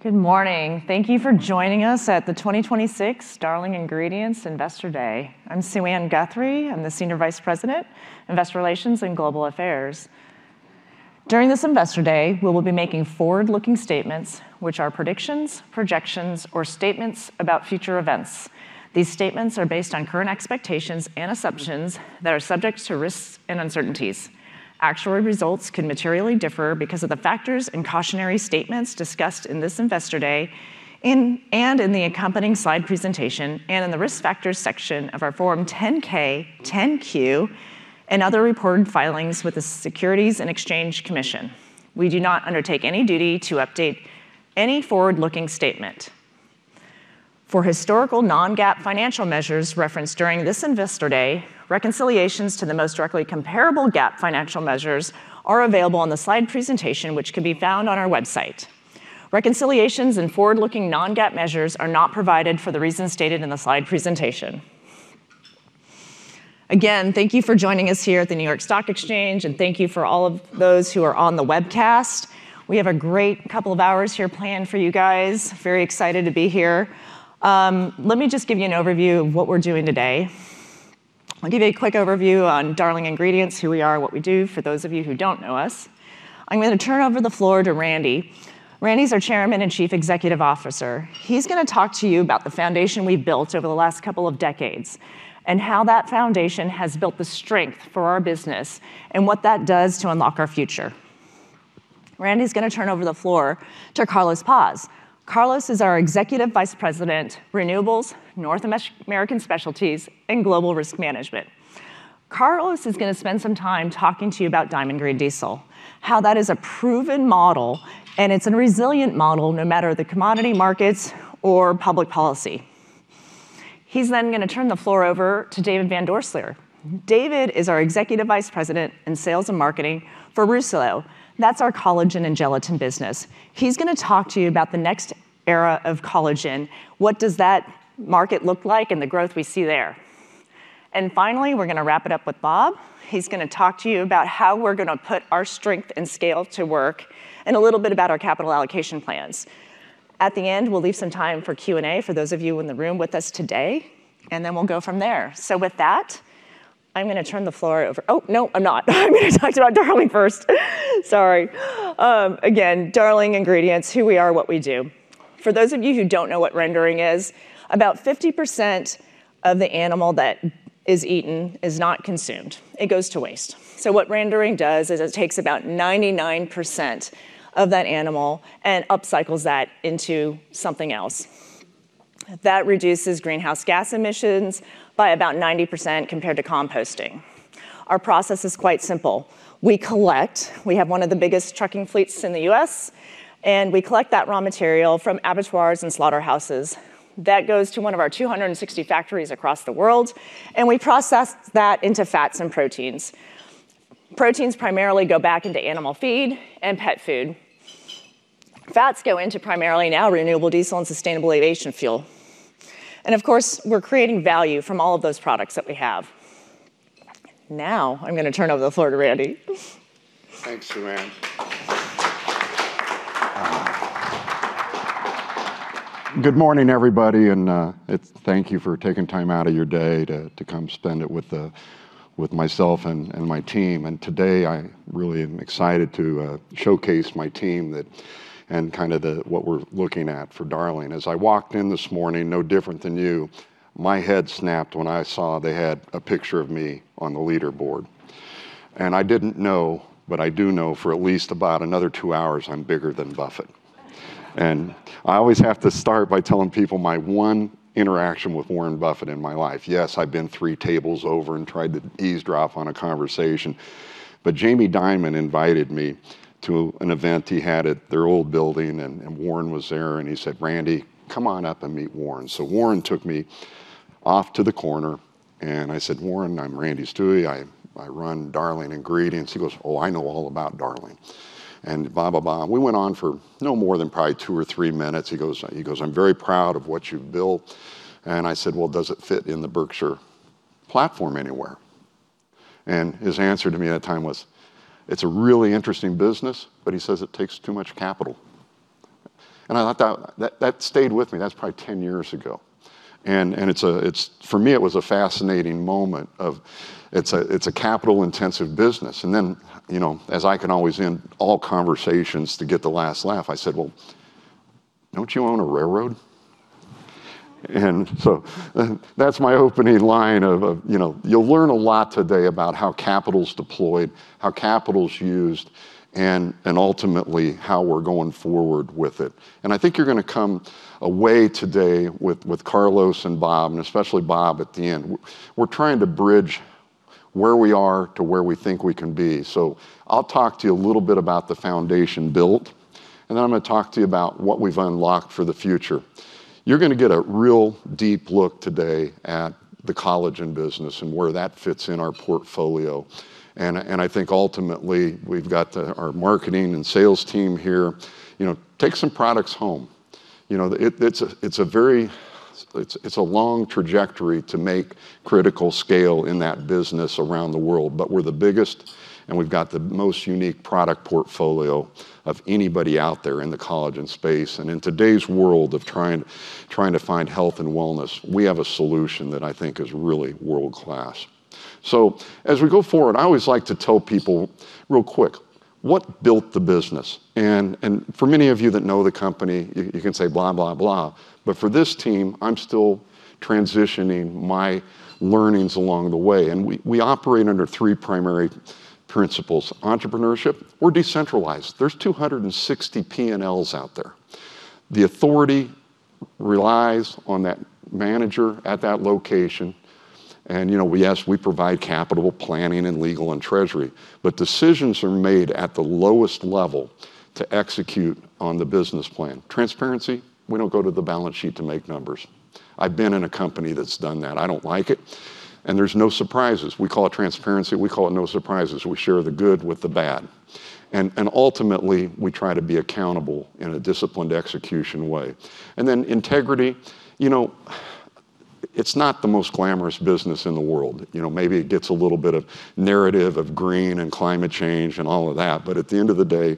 Good morning. Thank you for joining us at the 2026 Darling Ingredients Investor Day. I'm Suann Guthrie. I'm the Senior Vice President, Investor Relations and Global Affairs. During this Investor Day, we will be making forward-looking statements, which are predictions, projections, or statements about future events. These statements are based on current expectations and assumptions that are subject to risks and uncertainties. Actual results can materially differ because of the factors and cautionary statements discussed in this Investor Day, and in the accompanying slide presentation, and in the Risk Factors section of our Form 10-K, 10-Q and other reported filings with the Securities and Exchange Commission. We do not undertake any duty to update any forward-looking statement. For historical non-GAAP financial measures referenced during this Investor Day, reconciliations to the most directly comparable GAAP financial measures are available on the slide presentation, which can be found on our website. Reconciliations and forward-looking non-GAAP measures are not provided for the reasons stated in the slide presentation. Again, thank you for joining us here at the New York Stock Exchange, and thank you for all of those who are on the webcast. We have a great couple of hours here planned for you guys. Very excited to be here. Let me just give you an overview of what we're doing today. I'll give you a quick overview on Darling Ingredients, who we are, what we do, for those of you who don't know us. I'm gonna turn over the floor to Randy. Randy's our Chairman and Chief Executive Officer. He's gonna talk to you about the foundation we've built over the last couple of decades, and how that foundation has built the strength for our business, and what that does to unlock our future. Randy's gonna turn over the floor to Carlos Paz. Carlos is our Executive Vice President, Renewables, North American Specialties and Global Risk Management. Carlos is gonna spend some time talking to you about Diamond Green Diesel, how that is a proven model, and it's a resilient model, no matter the commodity markets or public policy. He's then gonna turn the floor over to David Van Doorslaer. David is our Executive Vice President in Sales and Marketing for Rousselot. That's our collagen and gelatin business. He's gonna talk to you about the next era of collagen, what does that market look like, and the growth we see there. Finally, we're gonna wrap it up with Bob. He's gonna talk to you about how we're gonna put our strength and scale to work, and a little bit about our capital allocation plans. At the end, we'll leave some time for Q&A for those of you in the room with us today, and then we'll go from there. With that, I'm gonna turn the floor over-- Oh, no, I'm not. I'm gonna talk about Darling first. Sorry. Again, Darling Ingredients, who we are, what we do. For those of you who don't know what rendering is, about 50% of the animal that is eaten is not consumed. It goes to waste. What rendering does is it takes about 99% of that animal and upcycles that into something else. That reduces greenhouse gas emissions by about 90% compared to composting. Our process is quite simple. We collect, we have one of the biggest trucking fleets in the U.S., and we collect that raw material from abattoirs and slaughterhouses. That goes to one of our 260 factories across the world, and we process that into fats and proteins. Proteins primarily go back into animal feed and pet food. Fats go into primarily now renewable diesel and sustainable aviation fuel. Of course, we're creating value from all of those products that we have. Now, I'm gonna turn over the floor to Randy. Thanks, Suann. Good morning, everybody, thank you for taking time out of your day to come spend it with myself and my team. Today, I really am excited to showcase my team that, and kind of what we're looking at for Darling. As I walked in this morning, no different than you, my head snapped when I saw they had a picture of me on the leaderboard. I didn't know, but I do know for at least about another 2 hours, I'm bigger than Buffett. I always have to start by telling people my 1 interaction with Warren Buffett in my life. Yes, I've been three tables over and tried to eavesdrop on a conversation. Jamie Dimon invited me to an event he had at their old building, and Warren was there, and he said, "Randy, come on up and meet Warren." Warren took me off to the corner, and I said, "Warren, I'm Randy Stuewe. I run Darling Ingredients." He goes, "Oh, I know all about Darling," and blah, blah. We went on for no more than probably two or three minutes. He goes, "I'm very proud of what you've built." I said, "Well, does it fit in the Berkshire platform anywhere?" His answer to me at that time was, "It's a really interesting business," but he says, "It takes too much capital." I thought that stayed with me. That's probably 10 years ago. For me, it was a fascinating moment of it's a, it's a capital-intensive business. You know, as I can always end all conversations to get the last laugh, I said, "Well, don't you own a railroad?" That's my opening line of, you know, you'll learn a lot today about how capital's deployed, how capital's used, and ultimately how we're going forward with it. I think you're gonna come away today with Carlos and Bob, and especially Bob at the end, we're trying to bridge where we are to where we think we can be. I'll talk to you a little bit about the foundation built, and then I'm gonna talk to you about what we've unlocked for the future. You're gonna get a real deep look today at the collagen business and where that fits in our portfolio. I think ultimately we've got our marketing and sales team here. You know, take some products home. You know, it's a long trajectory to make critical scale in that business around the world. We're the biggest, and we've got the most unique product portfolio of anybody out there in the collagen space. In today's world of trying to find health and wellness, we have a solution that I think is really world-class. As we go forward, I always like to tell people real quick what built the business. For many of you that know the company, you can say blah, blah. For this team, I'm still transitioning my learnings along the way. We operate under three primary principles: entrepreneurship. We're decentralized. There's 260 P&Ls out there. The authority relies on that manager at that location. You know, we provide capital planning, and legal, and treasury, but decisions are made at the lowest level to execute on the business plan. Transparency. We don't go to the balance sheet to make numbers. I've been in a company that's done that. I don't like it, and there's no surprises. We call it transparency. We call it no surprises. We share the good with the bad, and ultimately, we try to be accountable in a disciplined execution way. Integrity. You know, it's not the most glamorous business in the world. You know, maybe it gets a little bit of narrative of green and climate change and all of that, at the end of the day,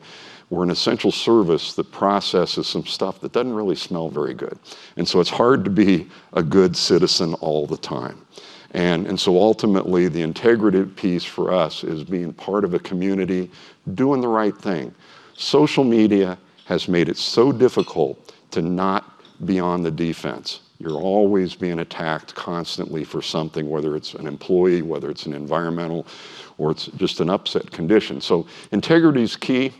we're an essential service that processes some stuff that doesn't really smell very good. It's hard to be a good citizen all the time. Ultimately, the integrity piece for us is being part of a community, doing the right thing. Social media has made it so difficult to not be on the defense. You're always being attacked constantly for something, whether it's an employee, whether it's an environmental, or it's just an upset condition, integrity is key.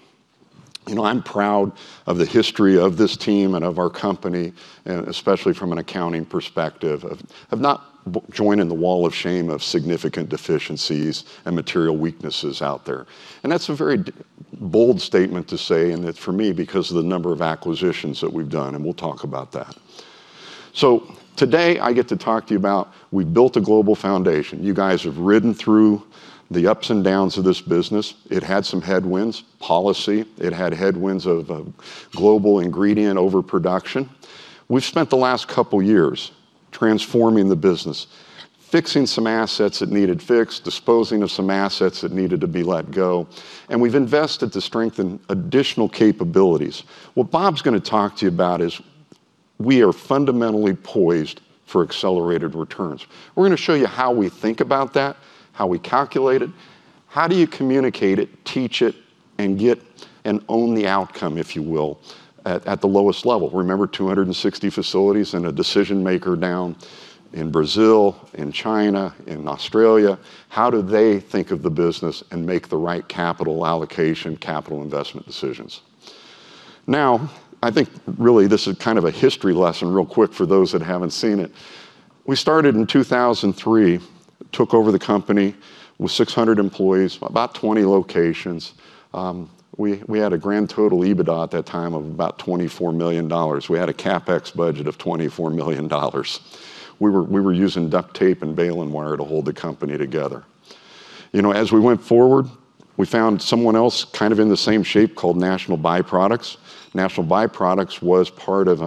You know, I'm proud of the history of this team and of our company, especially from an accounting perspective of not joining the wall of shame, of significant deficiencies and material weaknesses out there. That's a very bold statement to say, and for me, because of the number of acquisitions that we've done, and we'll talk about that. Today, I get to talk to you about we built a global foundation. You guys have ridden through the ups and downs of this business. It had some headwinds, policy, it had headwinds of global ingredient overproduction. We've spent the last couple of years transforming the business, fixing some assets that needed fixed, disposing of some assets that needed to be let go, and we've invested to strengthen additional capabilities. What Bob's gonna talk to you about is we are fundamentally poised for accelerated returns. We're gonna show you how we think about that, how we calculate it. How do you communicate it, teach it, and get and own the outcome, if you will, at the lowest level? Remember, 260 facilities and a decision-maker down in Brazil, in China, in Australia. How do they think of the business and make the right capital allocation, capital investment decisions? I think really this is kind of a history lesson real quick for those that haven't seen it. We started in 2003, took over the company with 600 employees, about 20 locations. We had a grand total EBITDA at that time of about $24 million. We had a CapEx budget of $24 million. We were using duct tape and baling wire to hold the company together. You know, as we went forward, we found someone else kind of in the same shape called National By-Products. National By-Products was part of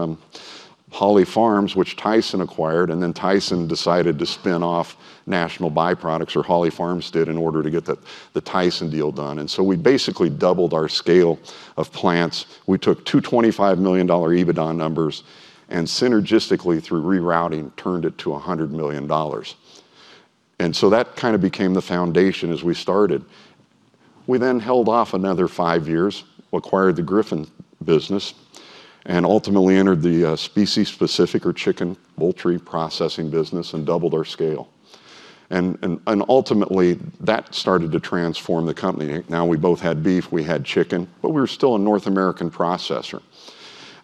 Holly Farms, which Tyson acquired. Then Tyson decided to spin off National By-Products or Holly Farms did in order to get the Tyson deal done. We basically doubled our scale of plants. We took $225 million EBITDA numbers and synergistically, through rerouting, turned it to $100 million. That kind of became the foundation as we started. We then held off another 5 years, acquired the Griffin business. Ultimately, entered the species-specific or chicken poultry processing business and doubled our scale. Ultimately, that started to transform the company. Now, we both had beef, we had chicken, but we were still a North American processor.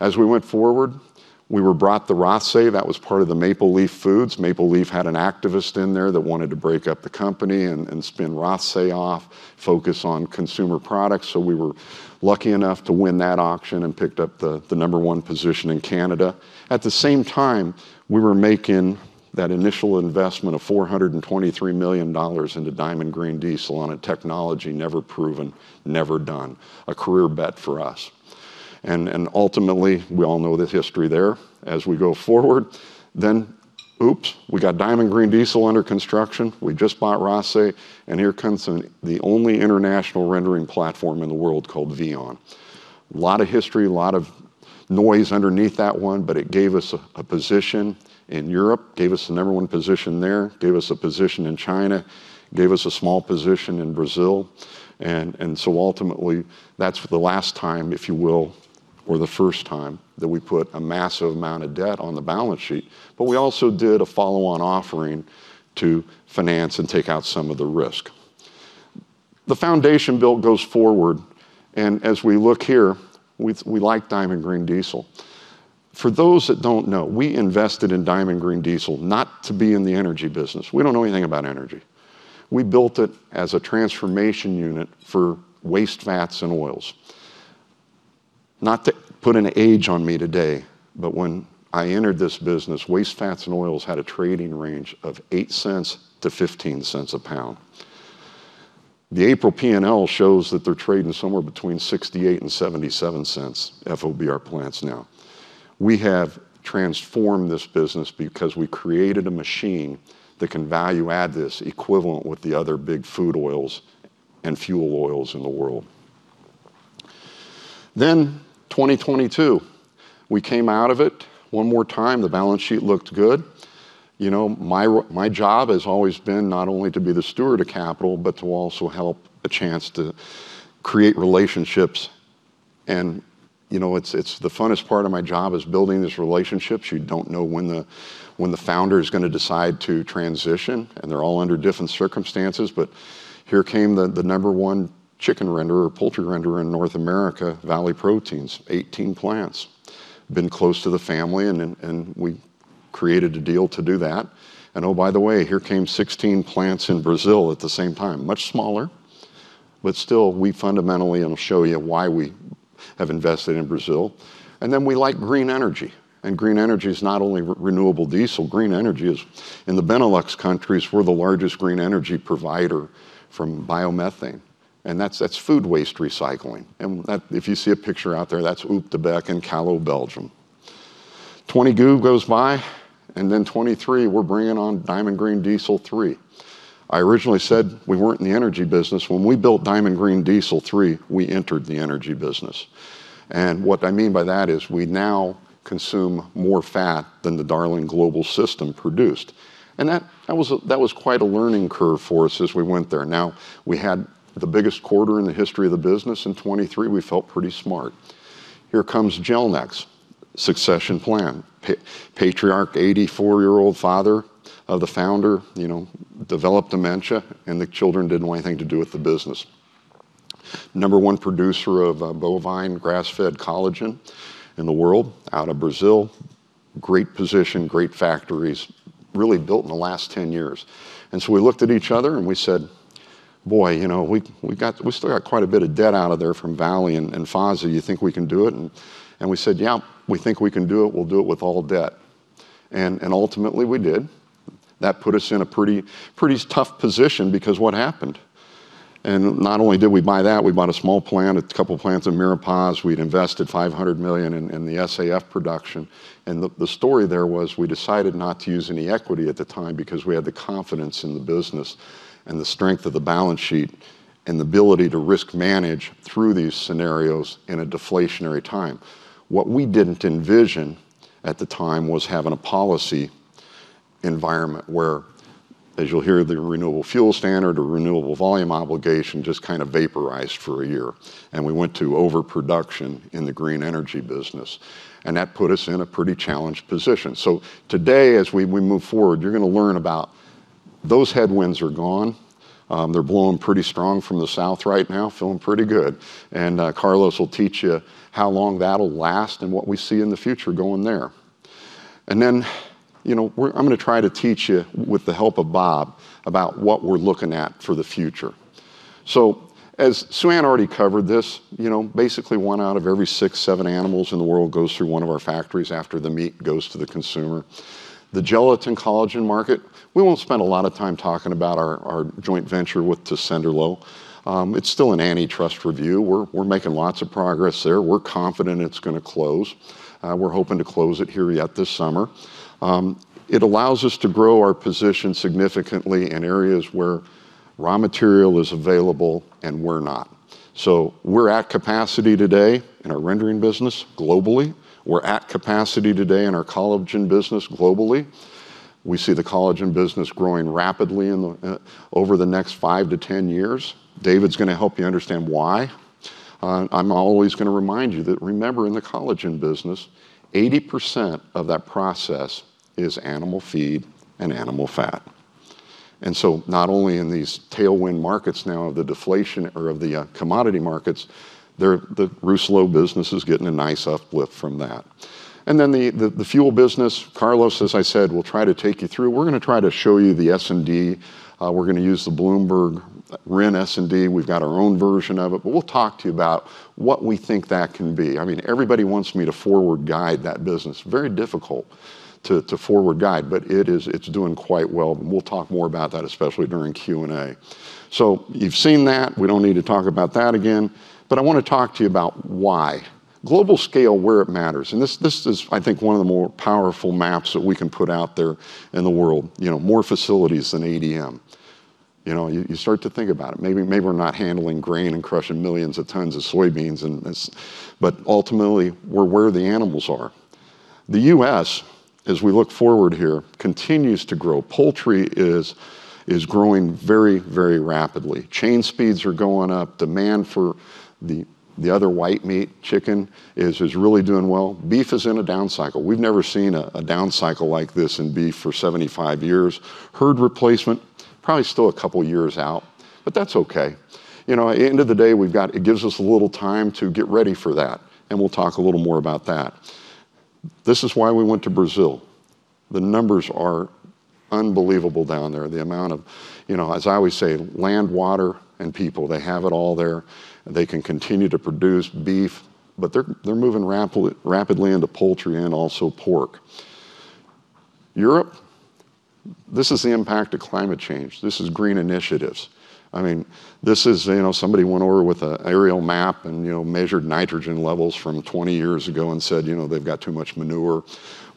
As we went forward, we were brought the Rothsay. That was part of the Maple Leaf Foods. Maple Leaf had an activist in there that wanted to break up the company and spin Rothsay off, focus on consumer products. We were lucky enough to win that auction and picked up the number one position in Canada. At the same time, we were making that initial investment of $423 million into Diamond Green Diesel on a technology never proven, never done, a career bet for us. Ultimately, we all know the history there as we go forward. We got Diamond Green Diesel under construction. We just bought Rothsay, here comes the only international rendering platform in the world called Vion. Lot of history, lot of noise underneath that one, it gave us a position in Europe, gave us the number one position there, gave us a position in China, gave us a small position in Brazil. Ultimately, that's the last time, if you will, or the first time that we put a massive amount of debt on the balance sheet. We also did a follow-on offering to finance and take out some of the risk. The foundation build goes forward, as we look here, we like Diamond Green Diesel. For those that don't know, we invested in Diamond Green Diesel not to be in the energy business. We don't know anything about energy. We built it as a transformation unit for waste fats and oils. Not to put an age on me today, but when I entered this business, waste fats and oils had a trading range of $0.08-$0.15 a pound. The April P&L shows that they're trading somewhere between $0.68 and $0.77 FOB our plants now. We have transformed this business because we created a machine that can value add this equivalent with the other big food oils and fuel oils in the world. 2022, we came out of it. One more time, the balance sheet looked good. You know, my job has always been not only to be the steward of capital, but to also help a chance to create relationships. You know, it's the funnest part of my job is building these relationships. You don't know when the founder is gonna decide to transition, and they're all under different circumstances. Here came the number one chicken renderer, poultry renderer in North America, Valley Proteins, 18 plants. Been close to the family and we created a deal to do that. Oh, by the way, here came 16 plants in Brazil at the same time. Much smaller, but still, we fundamentally, and I'll show you why we have invested in Brazil. We like green energy, and green energy is not only renewable diesel. Green energy is, in the Benelux countries, we're the largest green energy provider from biomethane, and that's food waste recycling. If you see a picture out there, that's Oot de Bek in Kallo, Belgium. 2022 goes by, and then 2023, we're bringing on Diamond Green Diesel 3. I originally said we weren't in the energy business. When we built Diamond Green Diesel 3, we entered the energy business. What I mean by that is, we now consume more fat than the Darling global system produced. That was quite a learning curve for us as we went there. Now, we had the biggest quarter in the history of the business in 2023. We felt pretty smart. Here comes Gelnex, succession plan. Patriarch, 84-year-old father of the founder, you know, developed dementia, and the children didn't want anything to do with the business. Number one producer of bovine grass-fed collagen in the world out of Brazil. Great position, great factories, really built in the last 10 years. So we looked at each other and we said, "Boy, you know, we still got quite a bit of debt out of there from Valley and FASA. You think we can do it?" We said, "Yeah, we think we can do it. We'll do it with all debt." Ultimately, we did. That put us in a pretty tough position because what happened? Not only did we buy that, we bought a small plant, a couple plants in Miropasz. We'd invested $500 million in the SAF production. The story there was we decided not to use any equity at the time because we had the confidence in the business and the strength of the balance sheet and the ability to risk manage through these scenarios in a deflationary time. What we didn't envision at the time was having a policy environment where, as you'll hear, the Renewable Fuel Standard or Renewable Volume Obligation just kind of vaporized for a year, and we went to overproduction in the green energy business, and that put us in a pretty challenged position. Today, as we move forward, you're gonna learn about those headwinds are gone. They're blowing pretty strong from the south right now, feeling pretty good. Carlos will teach you how long that'll last and what we see in the future going there. Then, you know, I'm gonna try to teach you, with the help of Bob, about what we're looking at for the future. As Suann already covered this, you know, basically one out of every six, seven animals in the world goes through one of our factories after the meat goes to the consumer. The gelatin collagen market, we won't spend a lot of time talking about our joint venture with Tessenderlo. It's still an antitrust review. We're making lots of progress there. We're confident it's gonna close. We're hoping to close it here yet this summer. It allows us to grow our position significantly in areas where raw material is available and we're not. We're at capacity today in our rendering business globally. We're at capacity today in our collagen business globally. We see the collagen business growing rapidly in the over the next five to 10 years. David's gonna help you understand why. I'm always going to remind you that remember, in the collagen business, 80% of that process is animal feed and animal fat. Not only in these tailwind markets now of the deflation or of the commodity markets, the Rousselot business is getting a nice uplift from that. The fuel business, Carlos, as I said, will try to take you through. We're going to try to show you the S&D. We're going to use the Bloomberg RIN S&D. We've got our own version of it, but we'll talk to you about what we think that can be. I mean, everybody wants me to forward guide that business. Very difficult to forward guide, but it is, it's doing quite well. We'll talk more about that, especially during Q&A. You've seen that. We don't need to talk about that again. I wanna talk to you about why. Global scale, where it matters, this is, I think, one of the more powerful maps that we can put out there in the world. You know, more facilities than ADM. You know, you start to think about it. Maybe we're not handling grain and crushing millions of tons of soybeans and this, ultimately, we're where the animals are. The U.S., as we look forward here, continues to grow. Poultry is growing very rapidly. Chain speeds are going up. Demand for the other white meat, chicken, is really doing well. Beef is in a down cycle. We've never seen a down cycle like this in beef for 75 years. Herd replacement, probably still a couple years out, that's okay. You know, at the end of the day, it gives us a little time to get ready for that, and we'll talk a little more about that. This is why we went to Brazil. The numbers are unbelievable down there. The amount of, you know, as I always say, land, water, and people, they have it all there. They can continue to produce beef, but they're moving rapidly into poultry and also pork. Europe, this is the impact of climate change. This is green initiatives. I mean, this is, you know, somebody went over with a aerial map and, you know, measured nitrogen levels from 20 years ago and said, you know, "They've got too much manure."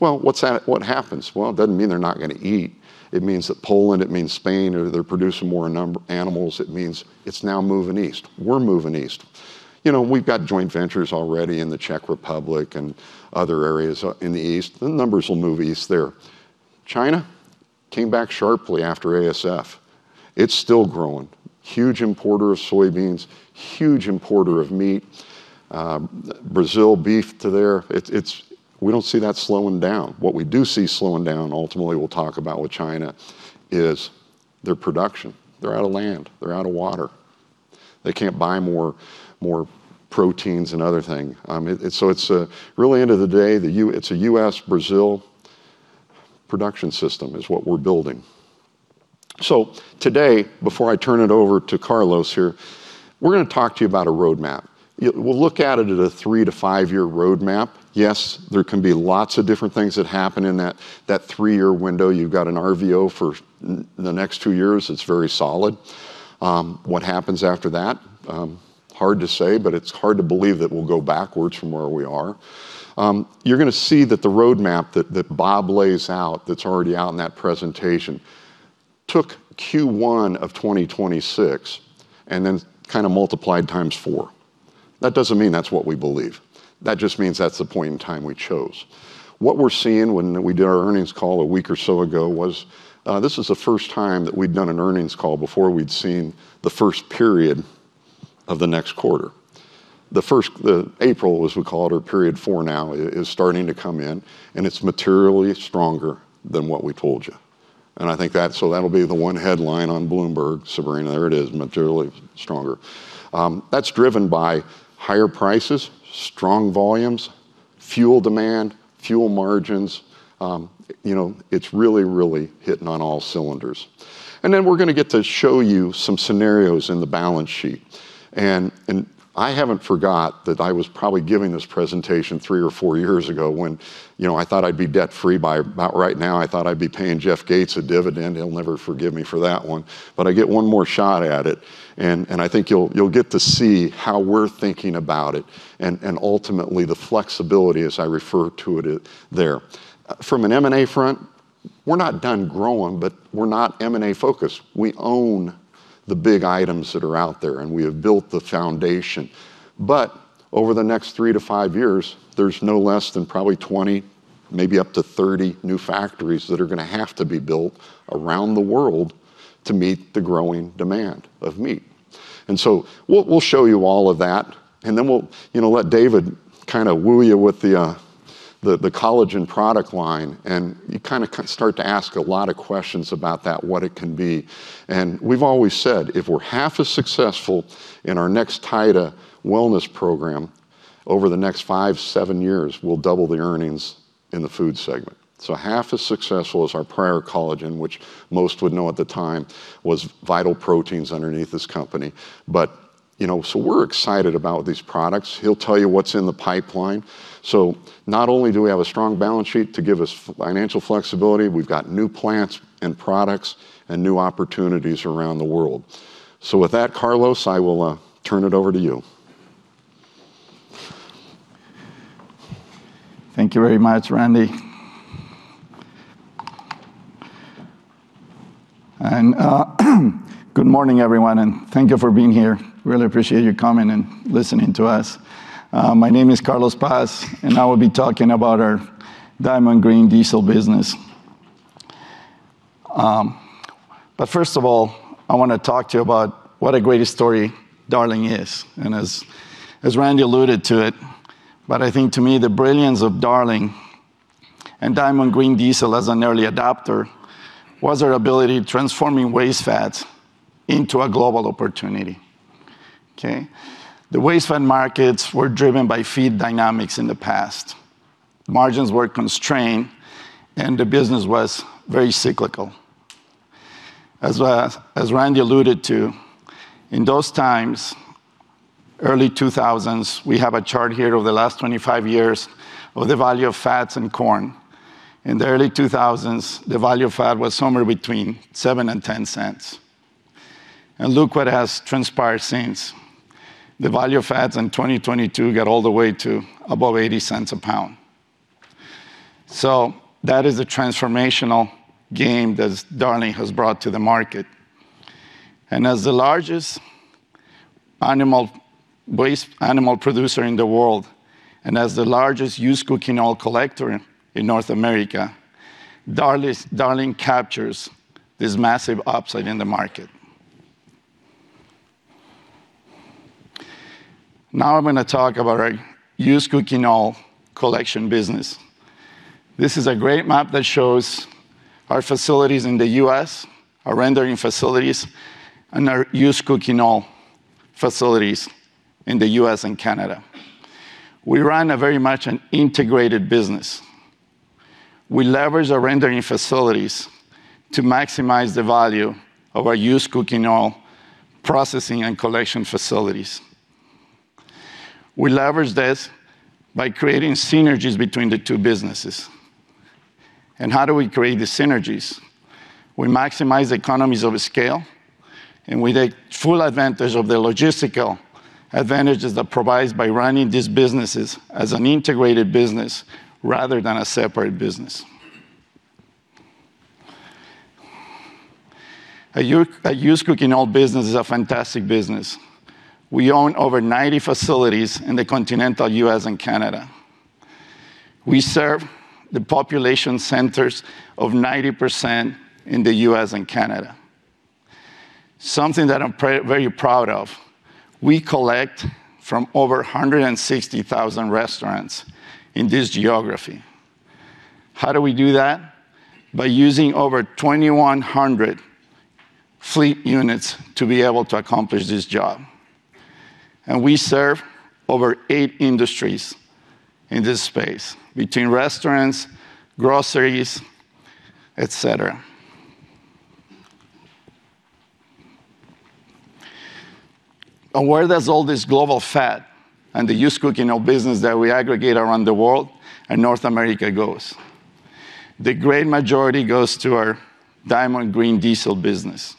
Well, what happens? Well, it doesn't mean they're not gonna eat. It means that Poland, it means Spain they're producing more animals. It means it's now moving east. We're moving east. You know, we've got joint ventures already in the Czech Republic and other areas in the east. The numbers will move east there. China came back sharply after ASF. It's still growing. Huge importer of soybeans. Huge importer of meat. Brazil beef to there. We don't see that slowing down. What we do see slowing down, ultimately we'll talk about with China, is their production. They're out of land. They're out of water. They can't buy more proteins and other thing. It's really end of the day, the U.S., Brazil production system is what we're building. Today, before I turn it over to Carlos here, we're gonna talk to you about a roadmap. We'll look at it at a 3 to 5-year roadmap. Yes, there can be lots of different things that happen in that 3-year window. You've got an RVO for the next 2 years. It's very solid. What happens after that, hard to say, but it's hard to believe that we'll go backwards from where we are. You're gonna see that the roadmap that Bob lays out, that's already out in that presentation, took Q1 of 2026 and then kind of multiplied times four. That doesn't mean that's what we believe. That just means that's the point in time we chose. What we're seeing when we did our earnings call a week or so ago was, this is the first time that we'd done an earnings call before we'd seen the first period of the next quarter. The first, the April, as we call it, or period four now, is starting to come in. It's materially stronger than what we told you. I think that that'll be the one headline on Bloomberg. Sabrina, there it is, materially stronger. That's driven by higher prices, strong volumes, fuel demand, fuel margins. You know, it's really hitting on all cylinders. We're going to get to show you some scenarios in the balance sheet. I haven't forgot that I was probably giving this presentation 3 or 4 years ago when, you know, I thought I'd be debt-free by about right now. I thought I'd be paying Jeff Gates a dividend. He'll never forgive me for that one. I get one more shot at it, and I think you'll get to see how we're thinking about it and ultimately the flexibility as I refer to it there. From an M&A front, we're not done growing, but we're not M&A focused. We own the big items that are out there, and we have built the foundation. Over the next 3 to 5 years, there's no less than probably 20, maybe up to 30 new factories that are gonna have to be built around the world to meet the growing demand of meat. We'll show you all of that, and then we'll let David kind of woo you with the collagen product line, and you kind of start to ask a lot of questions about that, what it can be. We've always said, if we're half as successful in our Nextida wellness program over the next five, seven years, we'll double the earnings in the Food Ingredients segment. Half as successful as our prior collagen, which most would know at the time was Vital Proteins underneath this company. You know, we're excited about these products. He'll tell you what's in the pipeline. Not only do we have a strong balance sheet to give us financial flexibility, we've got new plants and products and new opportunities around the world. With that, Carlos, I will turn it over to you. Thank you very much, Randy. Good morning, everyone, and thank you for being here. Really appreciate you coming and listening to us. My name is Carlos Paz, and I will be talking about our Diamond Green Diesel business. First of all, I want to talk to you about what a great story Darling is, and as Randy alluded to it, but I think to me the brilliance of Darling and Diamond Green Diesel as an early adopter was our ability transforming waste fats into a global opportunity. Okay. The waste fat markets were driven by feed dynamics in the past. Margins were constrained, and the business was very cyclical. As, as Randy alluded to, in those times, early 2000s, we have a chart here over the last 25 years of the value of fats and corn. In the early 2000s, the value of fat was somewhere between $0.07 and $0.10. Look what has transpired since. The value of fats in 2022 got all the way to above $0.80 a pound. That is a transformational game that Darling has brought to the market. As the largest waste animal producer in the world, and as the largest used cooking oil collector in North America, Darling captures this massive upside in the market. Now I'm gonna talk about our used cooking oil collection business. This is a great map that shows our facilities in the U.S., our rendering facilities, and our used cooking oil facilities in the U.S. and Canada. We run a very much an integrated business. We leverage our rendering facilities to maximize the value of our used cooking oil processing and collection facilities. We leverage this by creating synergies between the two businesses. How do we create the synergies? We maximize economies of scale, and we take full advantage of the logistical advantages that provides by running these businesses as an integrated business rather than a separate business. A used cooking oil business is a fantastic business. We own over 90 facilities in the continental U.S. and Canada. We serve the population centers of 90% in the U.S. and Canada. Something that I'm very proud of, we collect from over 160,000 restaurants in this geography. How do we do that? By using over 2,100 fleet units to be able to accomplish this job. We serve over eight industries in this space, between restaurants, groceries, et cetera. Where does all this global fat and the used cooking oil business that we aggregate around the world and North America goes? The great majority goes to our Diamond Green Diesel business.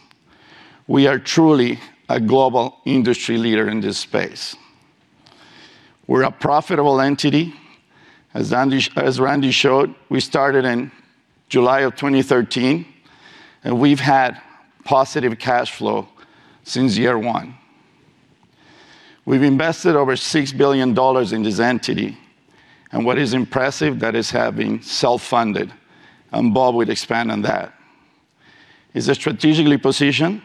We are truly a global industry leader in this space. We're a profitable entity. As Randy showed, we started in July of 2013, and we've had positive cash flow since year one. We've invested over $6 billion in this entity, and what is impressive, that it's have been self-funded, and Bob will expand on that. It's a strategically position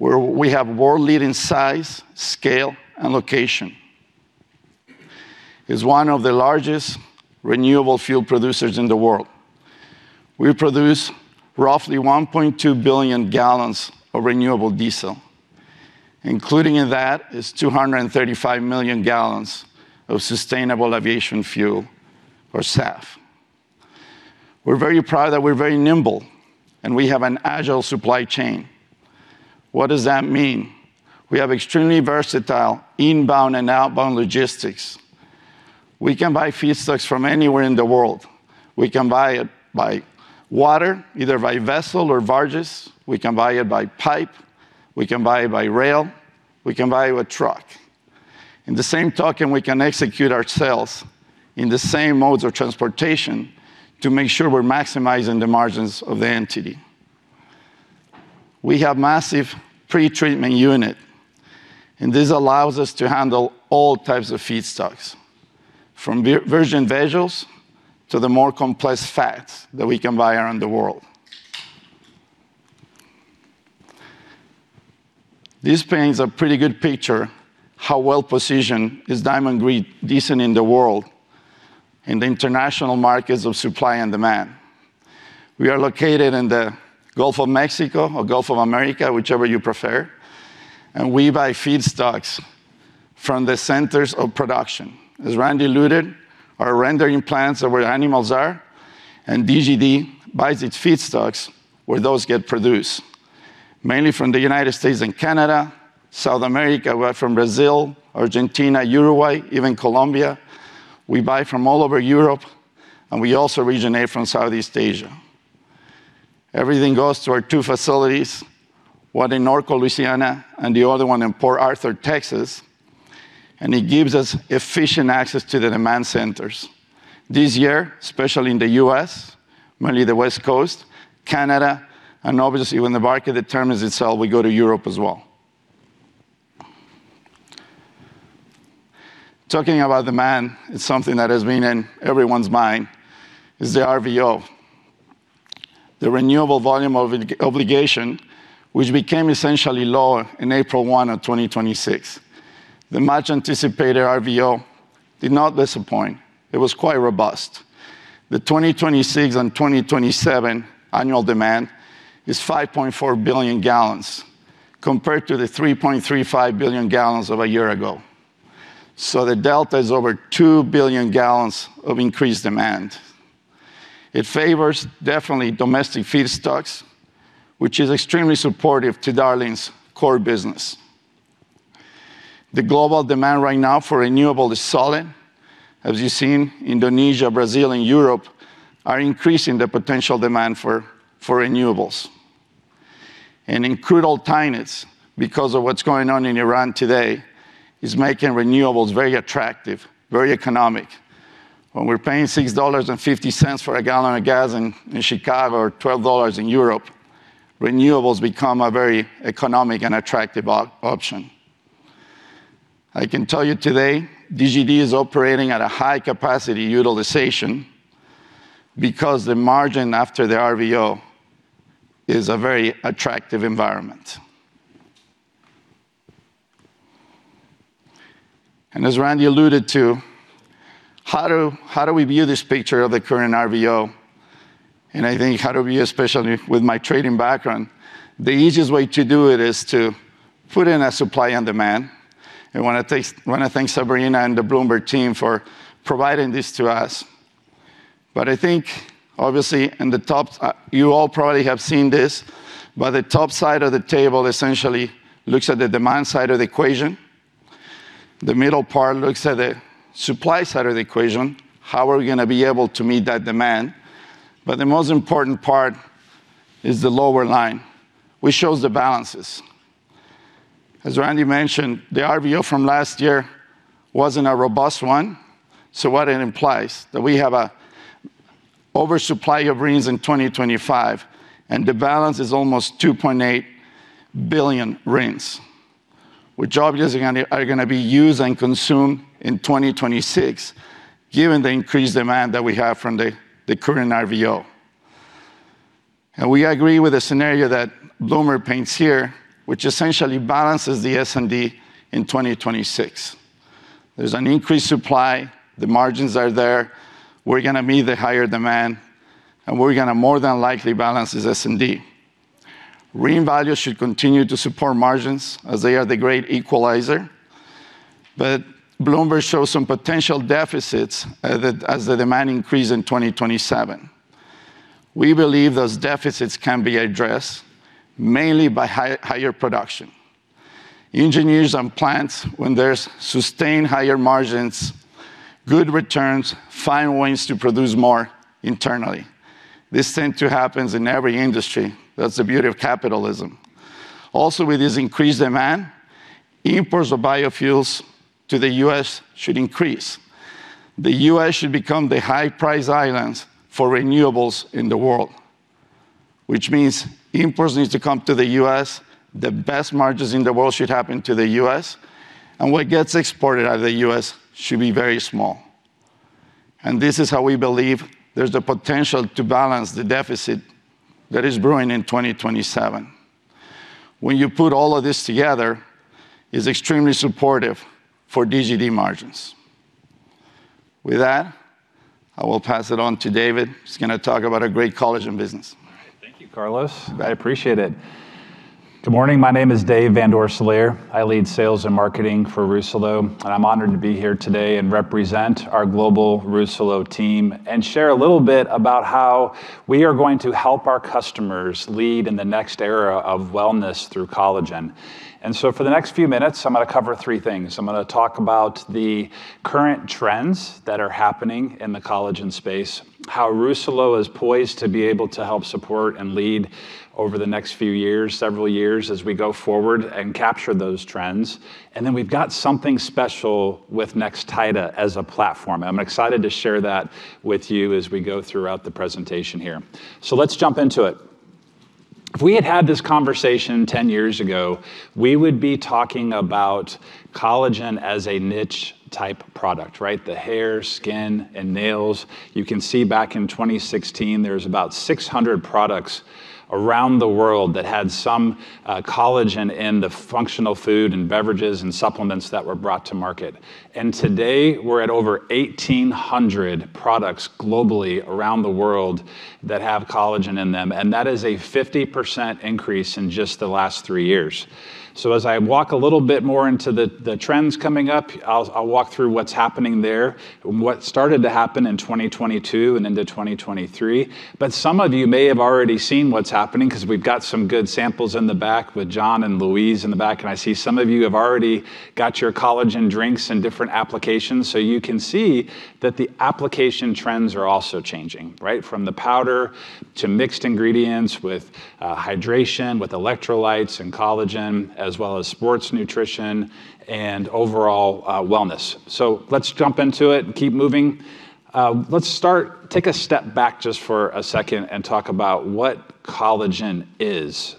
where we have world-leading size, scale, and location. It's one of the largest renewable fuel producers in the world. We produce roughly 1.2 billion gallons of renewable diesel. Including in that is 235 million gallons of sustainable aviation fuel or SAF. We're very proud that we're very nimble, and we have an agile supply chain. What does that mean? We have extremely versatile inbound and outbound logistics. We can buy feedstocks from anywhere in the world. We can buy it by water, either by vessel or barges, we can buy it by pipe, we can buy it by rail, we can buy it with truck. In the same token, we can execute our sales in the same modes of transportation to make sure we're maximizing the margins of the entity. We have massive pretreatment unit, and this allows us to handle all types of feedstocks, from virgin vegetables to the more complex fats that we can buy around the world. This paints a pretty good picture how well-positioned is Diamond Green Diesel in the world, in the international markets of supply and demand. We are located in the Gulf of Mexico or Gulf of America, whichever you prefer. We buy feedstocks from the centers of production. As Randy alluded, our rendering plants are where animals are, and DGD buys its feedstocks where those get produced. Mainly from the United States and Canada, South America, we are from Brazil, Argentina, Uruguay, even Colombia. We buy from all over Europe. We also originate from Southeast Asia. Everything goes to our two facilities, one in Norco, Louisiana, and the other one in Port Arthur, Texas, and it gives us efficient access to the demand centers. This year, especially in the U.S., mainly the West Coast, Canada, and obviously, when the market determines it so, we go to Europe as well. Talking about demand, it's something that has been in everyone's mind, is the RVO, the Renewable Volume Obligation, which became essentially law in April 1, 2026. The much-anticipated RVO did not disappoint. It was quite robust. The 2026 and 2027 annual demand is 5.4 billion gallons compared to the 3.35 billion gallons of a year ago. The delta is over 2 billion gallons of increased demand. It favors definitely domestic feedstocks, which is extremely supportive to Darling's core business. The global demand right now for renewable is solid. As you've seen, Indonesia, Brazil, and Europe are increasing the potential demand for renewables. In crude oil tightness, because of what's going on in Iran today, is making renewables very attractive, very economic. When we're paying $6.50 for a gallon of gas in Chicago or $12 in Europe, renewables become a very economic and attractive option. I can tell you today, DGD is operating at a high-capacity utilization because the margin after the RVO is a very attractive environment. As Randy alluded to, how do we view this picture of the current RVO? I think how to view, especially with my trading background, the easiest way to do it is to put in a supply and demand. I want to thank Sabrina and the Bloomberg team for providing this to us. I think obviously in the top, you all probably have seen this, but the top side of the table essentially looks at the demand side of the equation. The middle part looks at the supply side of the equation, how are we gonna be able to meet that demand? The most important part is the lower line, which shows the balances. As Randy mentioned, the RVO from last year wasn't a robust one, so what it implies, that we have a oversupply of RINs in 2025, and the balance is almost 2.8 billion RINs, which obviously are gonna be used and consumed in 2026 given the increased demand that we have from the current RVO. We agree with the scenario that Bloomberg paints here, which essentially balances the S&D in 2026. There's an increased supply, the margins are there, we're gonna meet the higher demand, and we're gonna more than likely balance the S&D. RIN value should continue to support margins, as they are the great equalizer. Bloomberg shows some potential deficits, as the demand increase in 2027. We believe those deficits can be addressed mainly by higher production. Engineers and plants, when there's sustained higher margins, good returns, find ways to produce more internally. This tend to happens in every industry. That's the beauty of capitalism. With this increased demand, imports of biofuels to the U.S. should increase. The U.S. should become the high price islands for renewables in the world, which means imports needs to come to the U.S., the best margins in the world should happen to the U.S., and what gets exported out of the U.S. should be very small. This is how we believe there's the potential to balance the deficit that is brewing in 2027. When you put all of this together, it's extremely supportive for DGD margins. With that, I will pass it on to David, who's gonna talk about our great collagen business. All right. Thank you, Carlos. I appreciate it. Good morning. My name is David Van Doorslaer. I lead sales and marketing for Rousselot, and I'm honored to be here today and represent our global Rousselot team and share a little bit about how we are going to help our customers lead in the next era of wellness through collagen. For the next few minutes, I'm going to cover three things. I'm going to talk about the current trends that are happening in the collagen space, how Rousselot is poised to be able to help support and lead over the next few years, several years as we go forward and capture those trends, and then we've got something special with Nextida as a platform. I'm excited to share that with you as we go throughout the presentation here. Let's jump into it. If we had had this conversation 10 years ago, we would be talking about collagen as a niche-type product, right? The hair, skin, and nails. You can see back in 2016, there's about 600 products around the world that had some collagen in the functional food and beverages and supplements that were brought to market. Today, we're at over 1,800 products globally around the world that have collagen in them, and that is a 50% increase in just the last 3 years. As I walk a little bit more into the trends coming up, I'll walk through what's happening there, what started to happen in 2022 and into 2023. Some of you may have already seen what's happening 'cause we've got some good samples in the back with John and Louise in the back, and I see some of you have already got your collagen drinks in different applications. You can see that the application trends are also changing, right? From the powder to mixed ingredients with hydration, with electrolytes and collagen, as well as sports nutrition and overall wellness. Let's jump into it and keep moving. Let's take a step back just for a second and talk about what collagen is.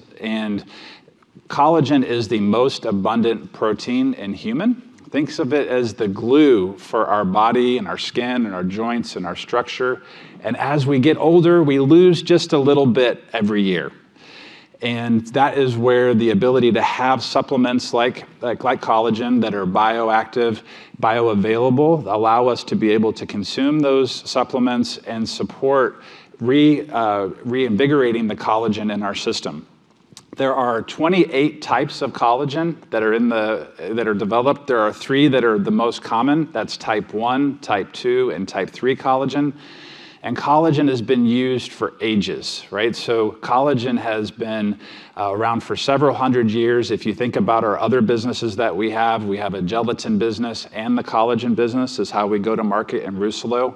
Collagen is the most abundant protein in human. Thinks of it as the glue for our body and our skin and our joints and our structure, and as we get older, we lose just a little bit every year. That is where the ability to have supplements like collagen that are bioactive, bioavailable, allow us to be able to consume those supplements and support reinvigorating the collagen in our system. There are 28 types of collagen that are in the that are developed. There are three that are the most common. That's type one, type two, and type three collagen. Collagen has been used for ages, right? Collagen has been around for several hundred years. If you think about our other businesses that we have, we have a gelatin business, and the collagen business is how we go to market in Rousselot.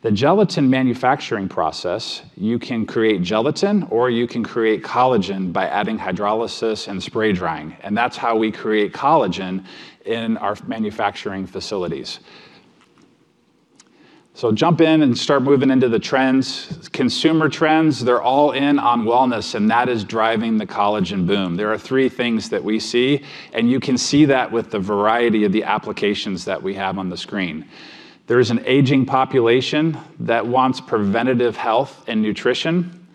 The gelatin manufacturing process, you can create gelatin or you can create collagen by adding hydrolysis and spray drying, and that's how we create collagen in our manufacturing facilities. Jump in and start moving into the trends. Consumer trends, they're all in on wellness, and that is driving the collagen boom. There are three things that we see, and you can see that with the variety of the applications that we have on the screen. There is an aging population that wants preventative health and nutrition.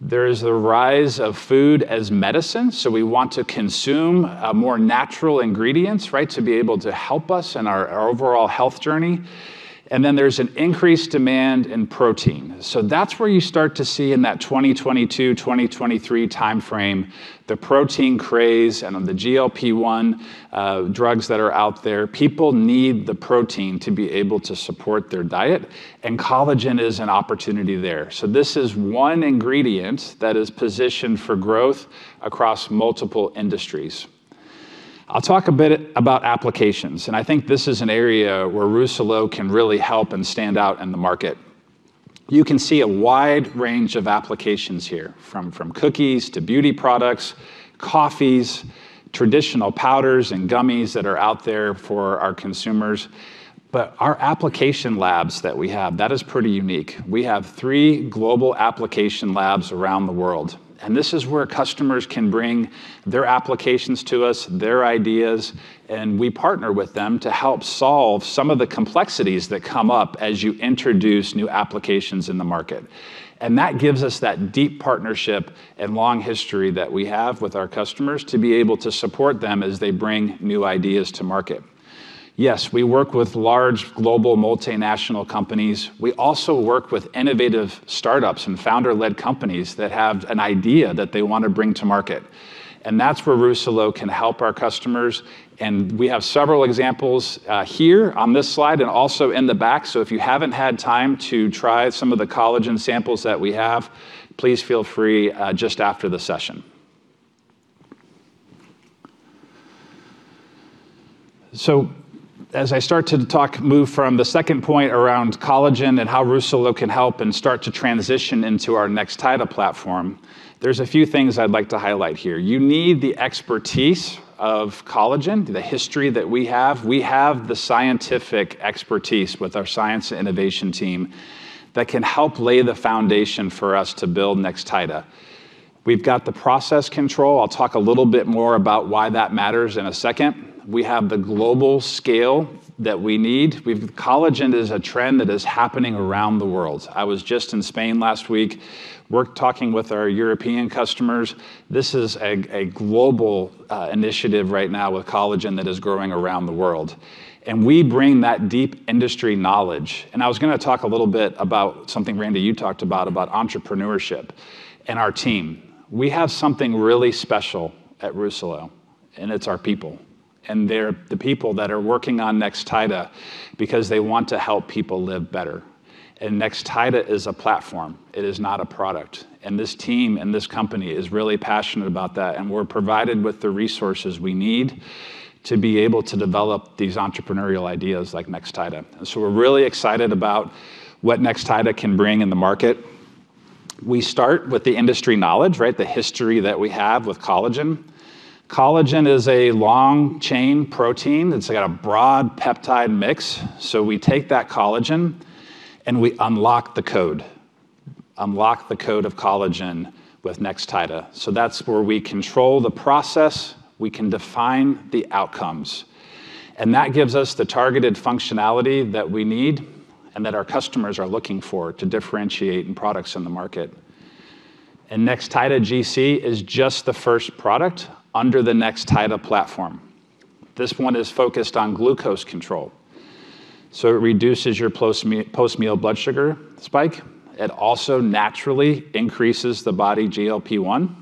There is the rise of food as medicine, so we want to consume more natural ingredients, right, to be able to help us in our overall health journey. There's an increased demand in protein. That's where you start to see in that 2022, 2023 timeframe, the protein craze and the GLP-1 drugs that are out there. People need the protein to be able to support their diet, and collagen is an opportunity there. This is one ingredient that is positioned for growth across multiple industries. I'll talk a bit about applications. I think this is an area where Rousselot can really help and stand out in the market. You can see a wide range of applications here, from cookies to beauty products, coffees, traditional powders and gummies that are out there for our consumers. Our application labs that we have, that is pretty unique. We have three global application labs around the world. This is where customers can bring their applications to us, their ideas, and we partner with them to help solve some of the complexities that come up as you introduce new applications in the market. That gives us that deep partnership and long history that we have with our customers to be able to support them as they bring new ideas to market. Yes, we work with large global multinational companies. We also work with innovative startups and founder-led companies that have an idea that they wanna bring to market, and that's where Rousselot can help our customers. We have several examples here on this slide and also in the back. If you haven't had time to try some of the collagen samples that we have, please feel free just after the session. As I start to move from the second point around collagen and how Rousselot can help and start to transition into our Nextida platform, there's a few things I'd like to highlight here. You need the expertise of collagen, the history that we have. We have the scientific expertise with our science and innovation team that can help lay the foundation for us to build Nextida. We've got the process control. I'll talk a little bit more about why that matters in a second. We have the global scale that we need. Collagen is a trend that is happening around the world. I was just in Spain last week, talking with our European customers. This is a global initiative right now with collagen that is growing around the world, and we bring that deep industry knowledge. I was gonna talk a little bit about something, Randy, you talked about entrepreneurship and our team. We have something really special at Rousselot, and it's our people, and they're the people that are working on Nextida because they want to help people live better. Nextida is a platform. It is not a product. This team and this company is really passionate about that, and we're provided with the resources we need to be able to develop these entrepreneurial ideas like Nextida. We're really excited about what Nextida can bring in the market. We start with the industry knowledge, right? The history that we have with collagen. Collagen is a long-chain protein. It's got a broad peptide mix. We take that collagen, and we unlock the code, unlock the code of collagen with Nextida. That's where we control the process. We can define the outcomes, and that gives us the targeted functionality that we need and that our customers are looking for to differentiate in products in the market. Nextida GC is just the first product under the Nextida platform. This one is focused on glucose control, so it reduces your post-meal blood sugar spike. It also naturally increases the body GLP-1,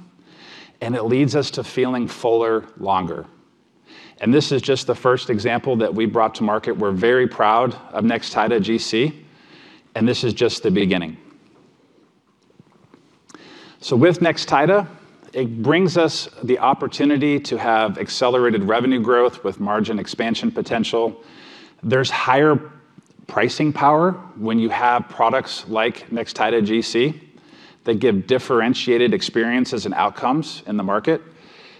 and it leads us to feeling fuller longer. This is just the first example that we brought to market. We're very proud of Nextida GC, and this is just the beginning. With Nextida, it brings us the opportunity to have accelerated revenue growth with margin expansion potential. There's higher pricing power when you have products like Nextida GC that give differentiated experiences and outcomes in the market.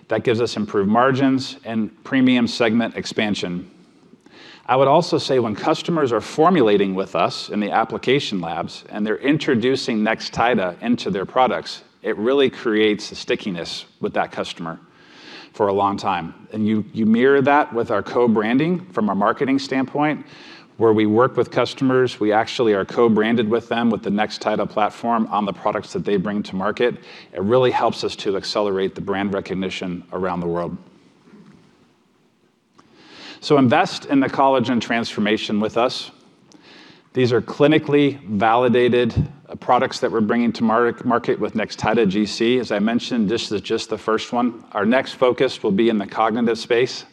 That gives us improved margins and premium segment expansion. I would also say when customers are formulating with us in the application labs, and they're introducing Nextida into their products, it really creates a stickiness with that customer for a long time. You mirror that with our co-branding from a marketing standpoint, where we work with customers. We actually are co-branded with them with the Nextida platform on the products that they bring to market. It really helps us to accelerate the brand recognition around the world. Invest in the collagen transformation with us. These are clinically validated products that we're bringing to market with Nextida GC. As I mentioned, this is just the first one. Our next focus will be in the cognitive space,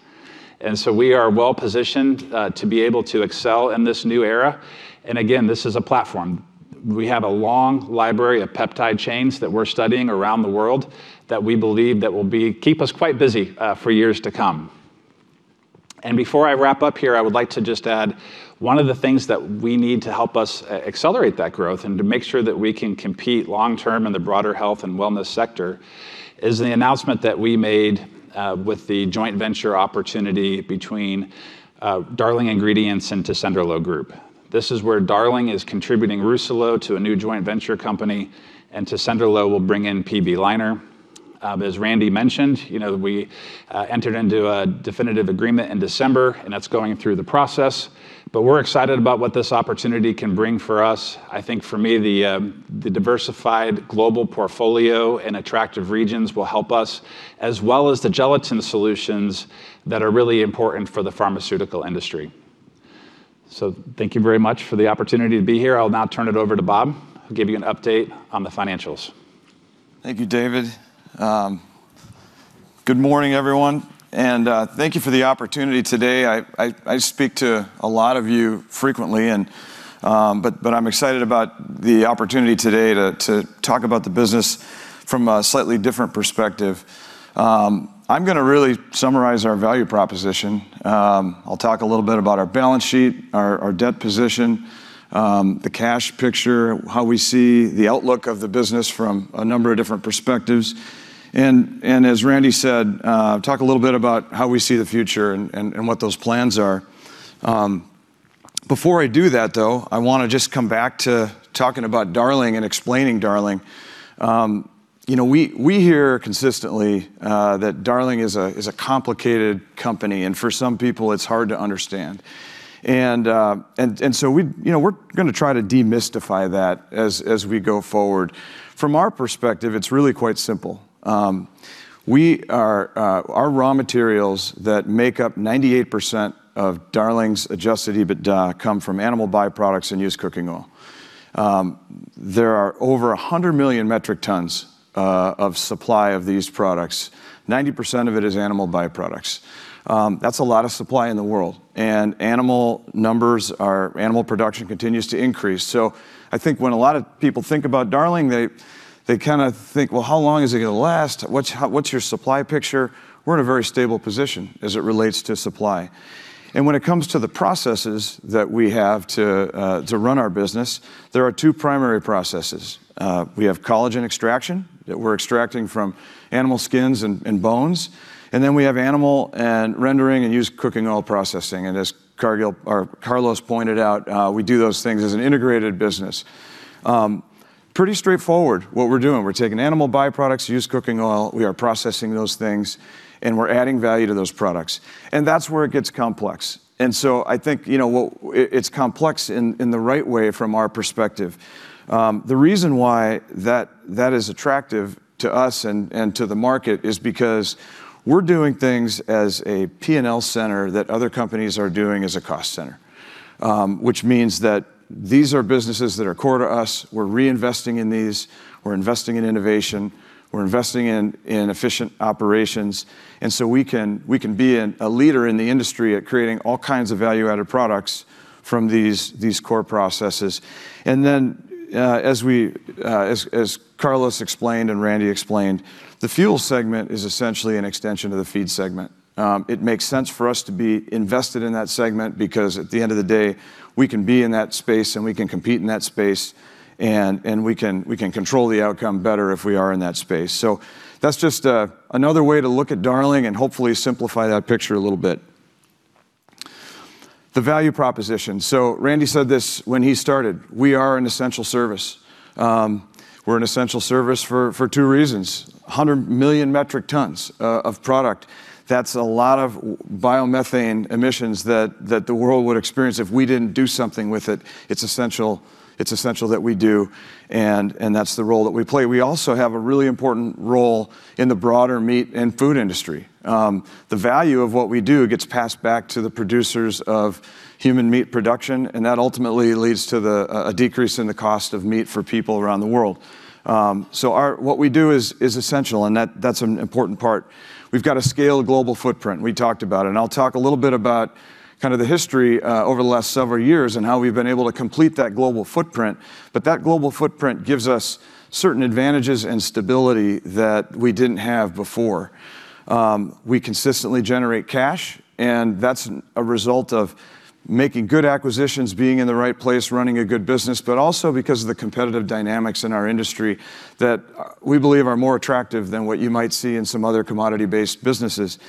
we are well-positioned to be able to excel in this new era. Again, this is a platform. We have a long library of peptide chains that we're studying around the world that we believe that will keep us quite busy for years to come. Before I wrap up here, I would like to just add one of the things that we need to help us accelerate that growth and to make sure that we can compete long-term in the broader health and wellness sector is the announcement that we made with the joint venture opportunity between Darling Ingredients and Tessenderlo Group. This is where Darling is contributing Rousselot to a new joint venture company, and Tessenderlo will bring in PB Leiner. As Randy mentioned, you know, we entered into a definitive agreement in December, and that's going through the process. We're excited about what this opportunity can bring for us. I think for me, the diversified global portfolio and attractive regions will help us, as well as the gelatin solutions that are really important for the pharmaceutical industry. Thank you very much for the opportunity to be here. I'll now turn it over to Bob, who'll give you an update on the financials. Thank you, David. Good morning, everyone, thank you for the opportunity today. I speak to a lot of you frequently, but I'm excited about the opportunity today to talk about the business from a slightly different perspective. I'm gonna really summarize our value proposition. I'll talk a little bit about our balance sheet, our debt position, the cash picture, how we see the outlook of the business from a number of different perspectives. As Randy said, talk a little bit about how we see the future and what those plans are. Before I do that, though, I wanna just come back to talking about Darling and explaining Darling. You know, we hear consistently that Darling is a complicated company, and for some people it's hard to understand. We, you know, we're gonna try to demystify that as we go forward. From our perspective, it's really quite simple. Our raw materials that make up 98% of Darling's adjusted EBITDA come from animal byproducts and used cooking oil. There are over 100 million metric tons of supply of these products. 90% of it is animal byproducts. That's a lot of supply in the world, and animal production continues to increase. I think when a lot of people think about Darling, they kinda think, "Well, how long is it gonna last? What's your supply picture? We're in a very stable position as it relates to supply. When it comes to the processes that we have to run our business, there are two primary processes. We have collagen extraction that we're extracting from animal skins and bones, and then we have animal and rendering and used cooking oil processing. As Carlos pointed out, we do those things as an integrated business. Pretty straightforward what we're doing. We're taking animal byproducts, used cooking oil, we are processing those things, and we're adding value to those products. That's where it gets complex. I think, you know, well, it's complex in the right way from our perspective. The reason why that is attractive to us and to the market is because we're doing things as a P&L center that other companies are doing as a cost center. Which means that these are businesses that are core to us. We're reinvesting in these. We're investing in innovation. We're investing in efficient operations. We can be a leader in the industry at creating all kinds of value-added products from these core processes. As we, as Carlos explained and Randy explained, the Fuel Segment is essentially an extension of the Feed Segment. It makes sense for us to be invested in that segment because at the end of the day, we can be in that space, and we can compete in that space, and we can control the outcome better if we are in that space. That's just another way to look at Darling and hopefully simplify that picture a little bit. The value proposition. Randy said this when he started. We are an essential service. We're an essential service for two reasons. 100 million metric tons of product, that's a lot of biomethane emissions that the world would experience if we didn't do something with it. It's essential that we do, and that's the role that we play. We also have a really important role in the broader meat and food industry. The value of what we do gets passed back to the producers of human meat production. That ultimately leads to a decrease in the cost of meat for people around the world. What we do is essential. That's an important part. We've got a scaled global footprint. We talked about it. I'll talk a little bit about kinda the history over the last several years and how we've been able to complete that global footprint. That global footprint gives us certain advantages and stability that we didn't have before. We consistently generate cash, that's a result of making good acquisitions, being in the right place, running a good business, but also because of the competitive dynamics in our industry that we believe are more attractive than what you might see in some other commodity-based businesses.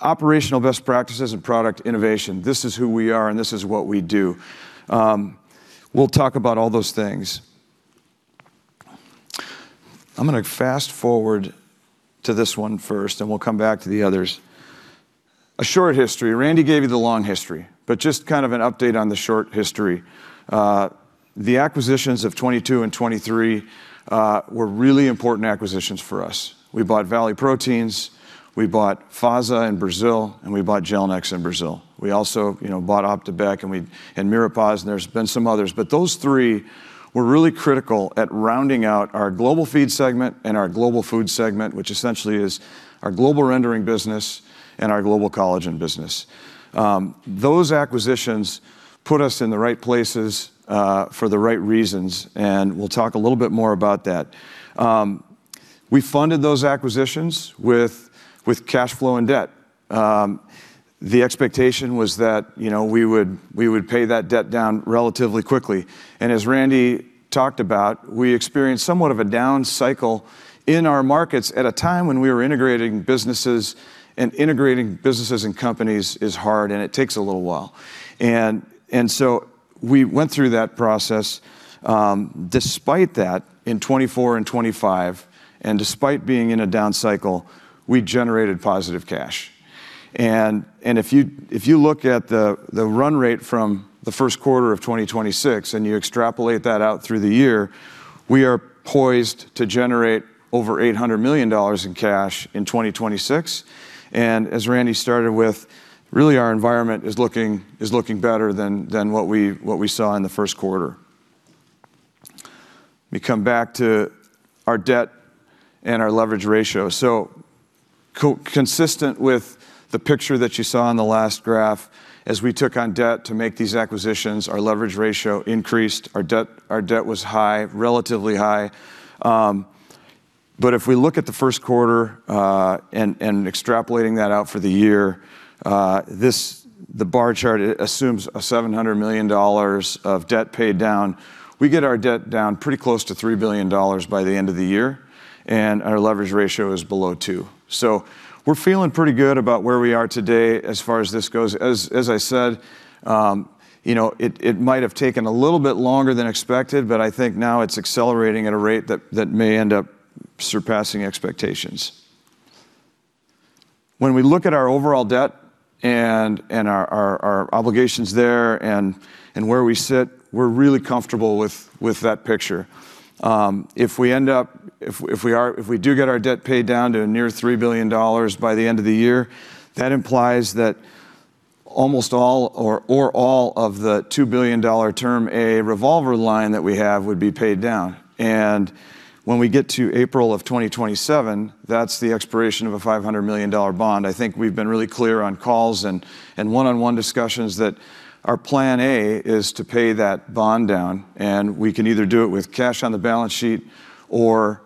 Operational best practices and product innovation. This is who we are, and this is what we do. We'll talk about all those things. I'm gonna fast-forward to this one first, and we'll come back to the others. A short history. Randy gave you the long history, but just kind of an update on the short history. The acquisitions of 2022 and 2023 were really important acquisitions for us. We bought Valley Proteins, we bought FASA in Brazil, and we bought Gelnex in Brazil. We also, you know, bought Op de Beeck and Miropasz, there's been some others. Those three were really critical at rounding out our global Feed Ingredients segment and our global Food Ingredients segment, which essentially is our global rendering business and our global collagen business. Those acquisitions put us in the right places for the right reasons, and we'll talk a little bit more about that. We funded those acquisitions with cash flow and debt. The expectation was that, you know, we would pay that debt down relatively quickly. As Randy talked about, we experienced somewhat of a down cycle in our markets at a time when we were integrating businesses, and integrating businesses and companies is hard, and it takes a little while. We went through that process. Despite that, in 2024 and 2025, despite being in a down cycle, we generated positive cash. If you look at the run rate from the first quarter of 2026, and you extrapolate that out through the year, we are poised to generate over $800 million in cash in 2026. As Randy started with, really our environment is looking better than what we saw in the first quarter. Let me come back to our debt and our leverage ratio. Co-consistent with the picture that you saw in the last graph, as we took on debt to make these acquisitions, our leverage ratio increased. Our debt was high, relatively high. If we look at the first quarter, and extrapolating that out for the year, the bar chart assumes a $700 million of debt paid down. We get our debt down pretty close to $3 billion by the end of the year, and our leverage ratio is below two. We're feeling pretty good about where we are today as far as this goes. As, as I said, you know, it might have taken a little bit longer than expected, but I think now it's accelerating at a rate that may end up surpassing expectations. When we look at our overall debt and our, our obligations there and where we sit, we're really comfortable with that picture. If we do get our debt paid down to near $3 billion by the end of the year, that implies that almost all or all of the $2 billion term A revolver line that we have would be paid down. When we get to April of 2027, that's the expiration of a $500 million bond. I think we've been really clear on calls and one-on-one discussions that our plan A is to pay that bond down, and we can either do it with cash on the balance sheet or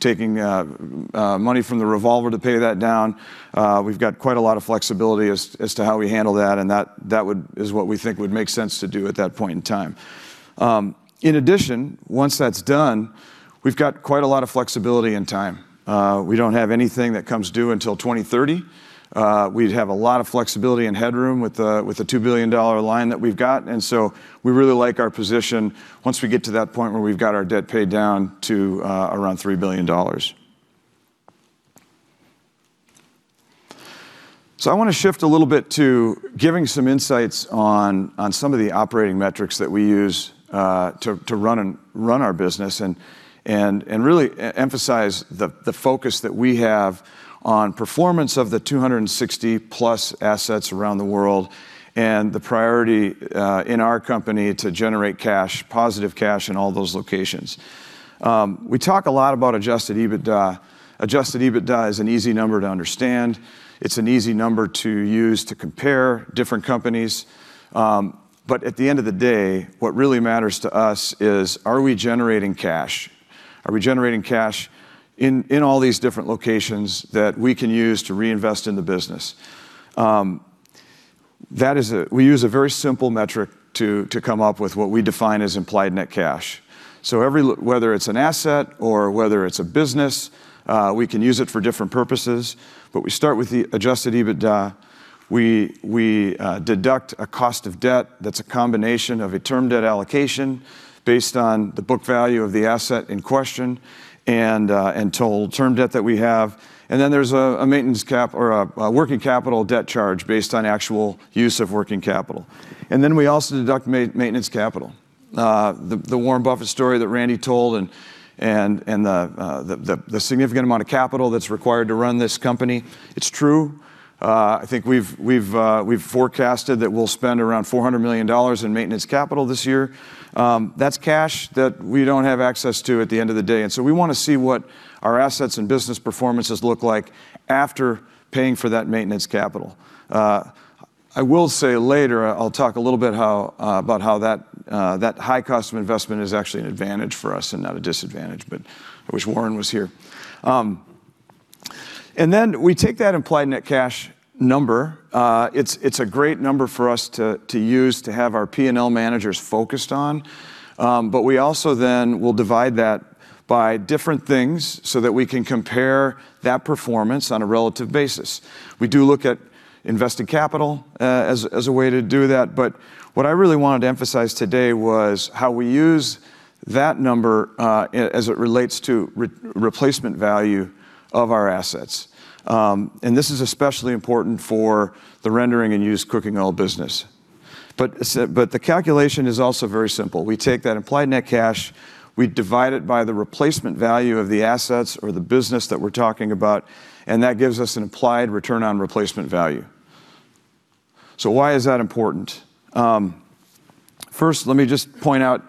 taking money from the revolver to pay that down. We've got quite a lot of flexibility as to how we handle that, and that is what we think would make sense to do at that point in time. In addition, once that's done, we've got quite a lot of flexibility and time. We don't have anything that comes due until 2030. We'd have a lot of flexibility and headroom with the $2 billion line that we've got. We really like our position once we get to that point where we've got our debt paid down to around $3 billion. I wanna shift a little bit to giving some insights on some of the operating metrics that we use to run our business and really emphasize the focus that we have on performance of the 260+ assets around the world and the priority in our company to generate cash, positive cash in all those locations. We talk a lot about adjusted EBITDA. Adjusted EBITDA is an easy number to understand. It's an easy number to use to compare different companies. At the end of the day, what really matters to us is, are we generating cash? Are we generating cash in all these different locations that we can use to reinvest in the business? That is, we use a very simple metric to come up with what we define as implied net cash. Every whether it's an asset or whether it's a business, we can use it for different purposes. We start with the adjusted EBITDA. We deduct a cost of debt that's a combination of a term debt allocation based on the book value of the asset in question and total term debt that we have. There's a maintenance cap or a working capital debt charge based on actual use of working capital. We also deduct maintenance capital. The Warren Buffett story that Randy told and the significant amount of capital that's required to run this company, it's true. I think we've forecasted that we'll spend around $400 million in maintenance capital this year. That's cash that we don't have access to at the end of the day. We wanna see what our assets and business performances look like after paying for that maintenance capital. I will say later, I'll talk a little bit how about how that high cost of investment is actually an advantage for us and not a disadvantage. I wish Warren was here. We take that implied net cash number. It's a great number for us to use to have our PNL managers focused on. We also then will divide that by different things so that we can compare that performance on a relative basis. We do look at invested capital, as a way to do that, but what I really wanted to emphasize today was how we use that number, as it relates to replacement value of our assets. This is especially important for the rendering and used cooking oil business. The calculation is also very simple. We take that implied net cash, we divide it by the replacement value of the assets or the business that we're talking about, and that gives us an implied return on replacement value. Why is that important? First, let me just point out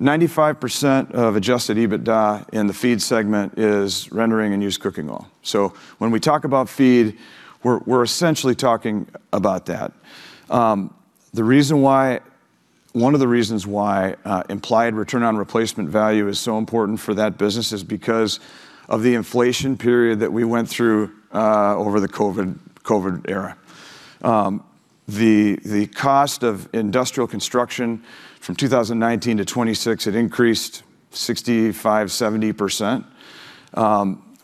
95% of adjusted EBITDA in the Feed segment is rendering and used cooking oil. When we talk about feed, we're essentially talking about that. One of the reasons why implied return on replacement value is so important for that business is because of the inflation period that we went through over the COVID era. The cost of industrial construction from 2019 to 2026, it increased 65%-70%.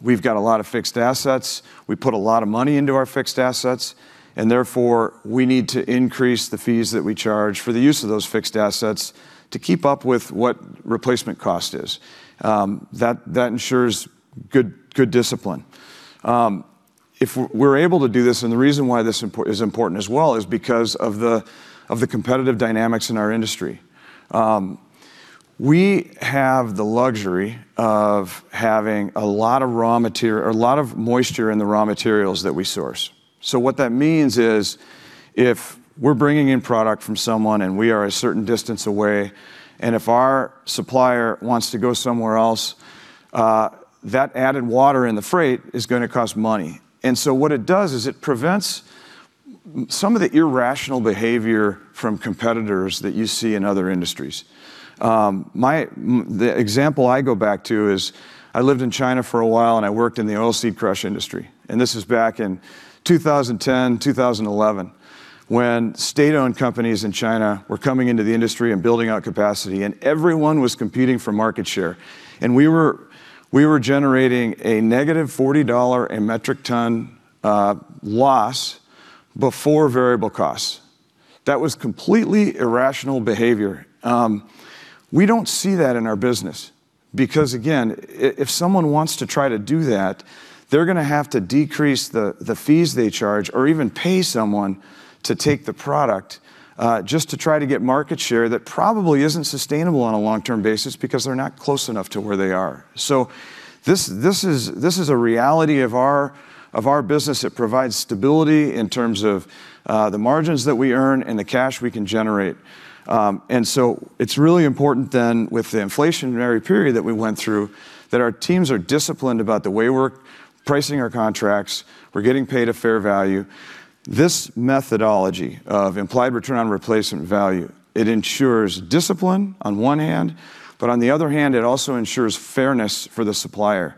We've got a lot of fixed assets. We put a lot of money into our fixed assets, and therefore, we need to increase the fees that we charge for the use of those fixed assets to keep up with what replacement cost is. That ensures good discipline. If we're able to do this, the reason why this is important as well is because of the competitive dynamics in our industry. We have the luxury of having a lot of moisture in the raw materials that we source. What that means is, if we're bringing in product from someone, and we are a certain distance away, and if our supplier wants to go somewhere else, that added water in the freight is gonna cost money. What it does is it prevents some of the irrational behavior from competitors that you see in other industries. The example I go back to is, I lived in China for a while, and I worked in the oilseed crush industry, and this is back in 2010, 2011, when state-owned companies in China were coming into the industry and building out capacity, and everyone was competing for market share. We were generating a negative $40 a metric ton loss before variable costs. That was completely irrational behavior. We don't see that in our business because again, if someone wants to try to do that, they're gonna have to decrease the fees they charge or even pay someone to take the product just to try to get market share that probably isn't sustainable on a long-term basis because they're not close enough to where they are. This is a reality of our business. It provides stability in terms of the margins that we earn and the cash we can generate. It's really important then with the inflationary period that we went through, that our teams are disciplined about the way we're pricing our contracts. We're getting paid a fair value. This methodology of implied return on replacement value, it ensures discipline on one hand, but on the other hand, it also ensures fairness for the supplier.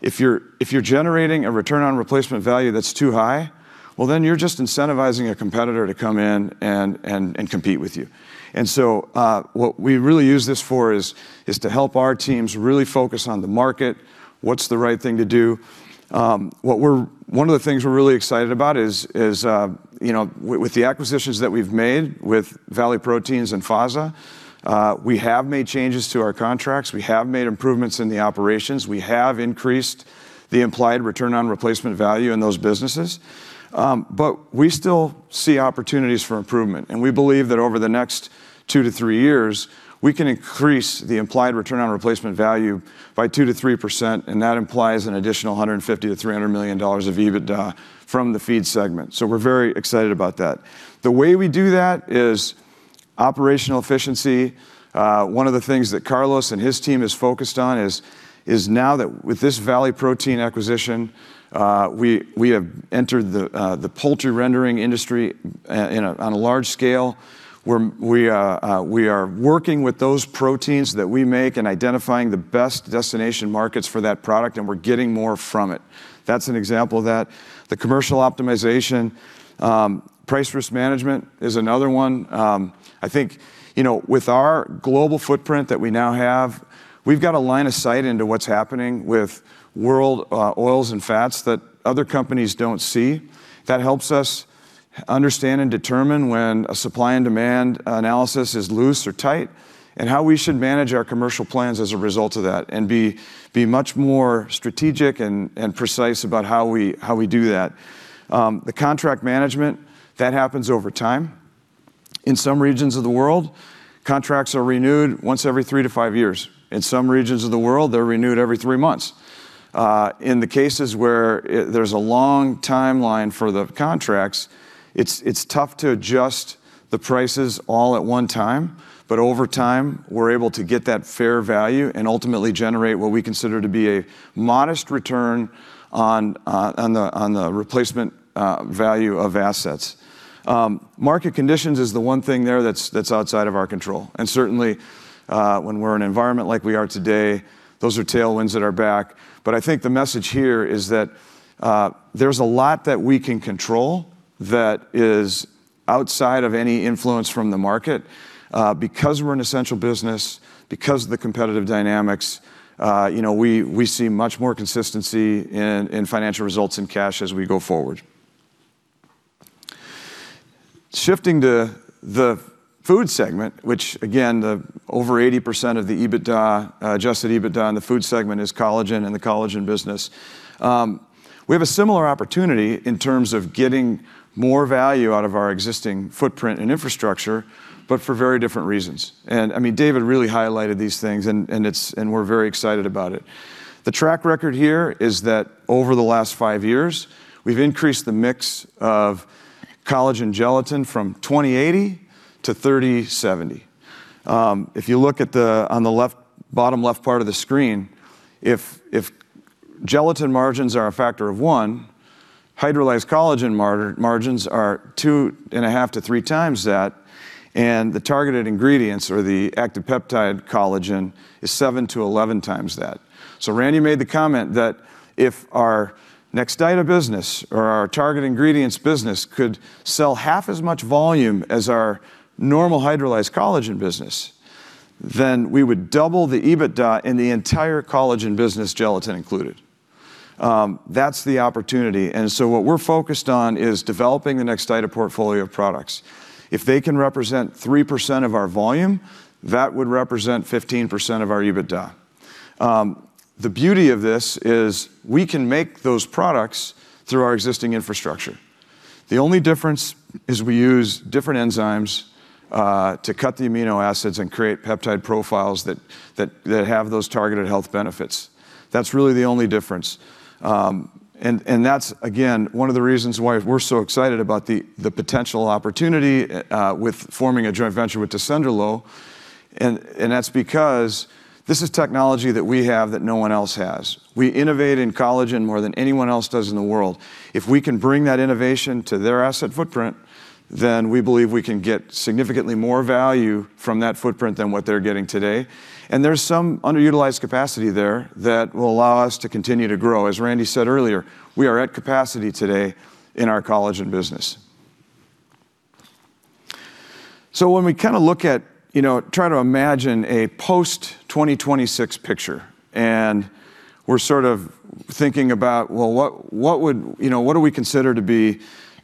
If you're generating a return on replacement value that's too high, well, then you're just incentivizing a competitor to come in and compete with you. What we really use this for is to help our teams really focus on the market, what's the right thing to do. One of the things we're really excited about is, you know, with the acquisitions that we've made with Valley Proteins and FASA, we have made changes to our contracts. We have made improvements in the operations. We have increased the implied return on replacement value in those businesses. We still see opportunities for improvement, and we believe that over the next 2-3 years, we can increase the implied return on replacement value by 2%-3%, and that implies an additional $150 million to $300 million of EBITDA from the Feed segment. We're very excited about that. The way we do that is operational efficiency. One of the things that Carlos and his team is focused on is now that with this Valley Proteins acquisition, we have entered the poultry rendering industry, you know, on a large scale. We are working with those proteins that we make and identifying the best destination markets for that product, and we're getting more from it. That's an example of that. The commercial optimization, price risk management is another one. I think, you know, with our global footprint that we now have, we've got a line of sight into what's happening with world oils and fats that other companies don't see. That helps us understand and determine when a supply and demand analysis is loose or tight, and how we should manage our commercial plans as a result of that and be much more strategic and precise about how we do that. The contract management, that happens over time. In some regions of the world, contracts are renewed once every three to five years. In some regions of the world, they're renewed every three months. In the cases where there's a long timeline for the contracts, it's tough to adjust the prices all at one time, but over time, we're able to get that fair value and ultimately generate what we consider to be a modest return on the replacement value of assets. Market conditions is the one thing there that's outside of our control, and certainly, when we're in an environment like we are today, those are tailwinds at our back. I think the message here is that there's a lot that we can control that is outside of any influence from the market. Because we're an essential business, because of the competitive dynamics, you know, we see much more consistency in financial results and cash as we go forward. Shifting to the Food Ingredients segment, which again, the over 80% of the EBITDA, adjusted EBITDA in the Food Ingredients segment is collagen and the collagen business. We have a similar opportunity in terms of getting more value out of our existing footprint and infrastructure for very different reasons. I mean, David really highlighted these things and we're very excited about it. The track record here is that over the last 5 years, we've increased the mix of collagen gelatin from 20/80 to 30/70. If you look at the on the left, bottom left part of the screen, if gelatin margins are a factor of 1, hydrolyzed collagen margins are 2.5-3 times that, the targeted ingredients or the active peptide collagen is 7-11 times that. Randy made the comment that if our Nextida business or our target ingredients business could sell half as much volume as our normal hydrolyzed collagen business, we would double the EBITDA in the entire collagen business, gelatin included. That's the opportunity. What we're focused on is developing the Nextida portfolio of products. If they can represent 3% of our volume, that would represent 15% of our EBITDA. The beauty of this is we can make those products through our existing infrastructure. The only difference is we use different enzymes to cut the amino acids and create peptide profiles that have those targeted health benefits. That's really the only difference. And that's, again, one of the reasons why we're so excited about the potential opportunity with forming a joint venture with Tessenderlo. That's because this is technology that we have that no one else has. We innovate in collagen more than anyone else does in the world. If we can bring that innovation to their asset footprint, then we believe we can get significantly more value from that footprint than what they're getting today. There's some underutilized capacity there that will allow us to continue to grow. As Randy said earlier, we are at capacity today in our collagen business. When we kinda look at, you know, try to imagine a post-2026 picture, and we're sort of thinking about, well, what would You know, what do we consider to be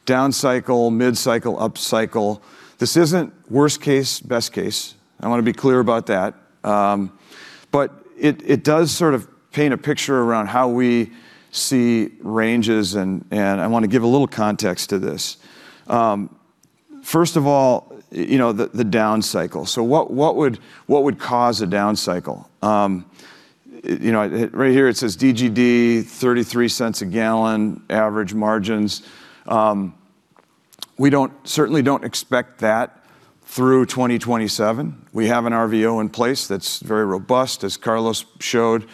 down cycle, mid cycle, up cycle? This isn't worst case, best case. I wanna be clear about that. It does sort of paint a picture around how we see ranges and I wanna give a little context to this. First of all, you know, the down cycle. What would cause a down cycle? You know, right here it says DGD $0.33 a gallon, average margins. We certainly don't expect that through 2027. We have an RVO in place that's very robust, as Carlos showed.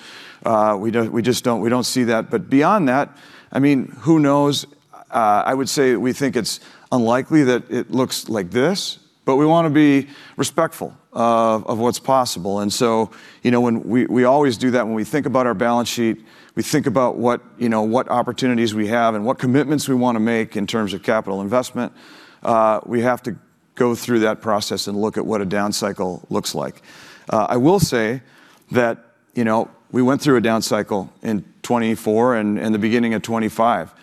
We just don't see that. Beyond that, I mean, who knows? I would say we think it's unlikely that it looks like this, but we wanna be respectful of what's possible. You know, when we always do that when we think about our balance sheet, we think about what, you know, what opportunities we have and what commitments we wanna make in terms of capital investment. We have to go through that process and look at what a down cycle looks like. I will say that, you know, we went through a down cycle in 2024 and the beginning of 2025.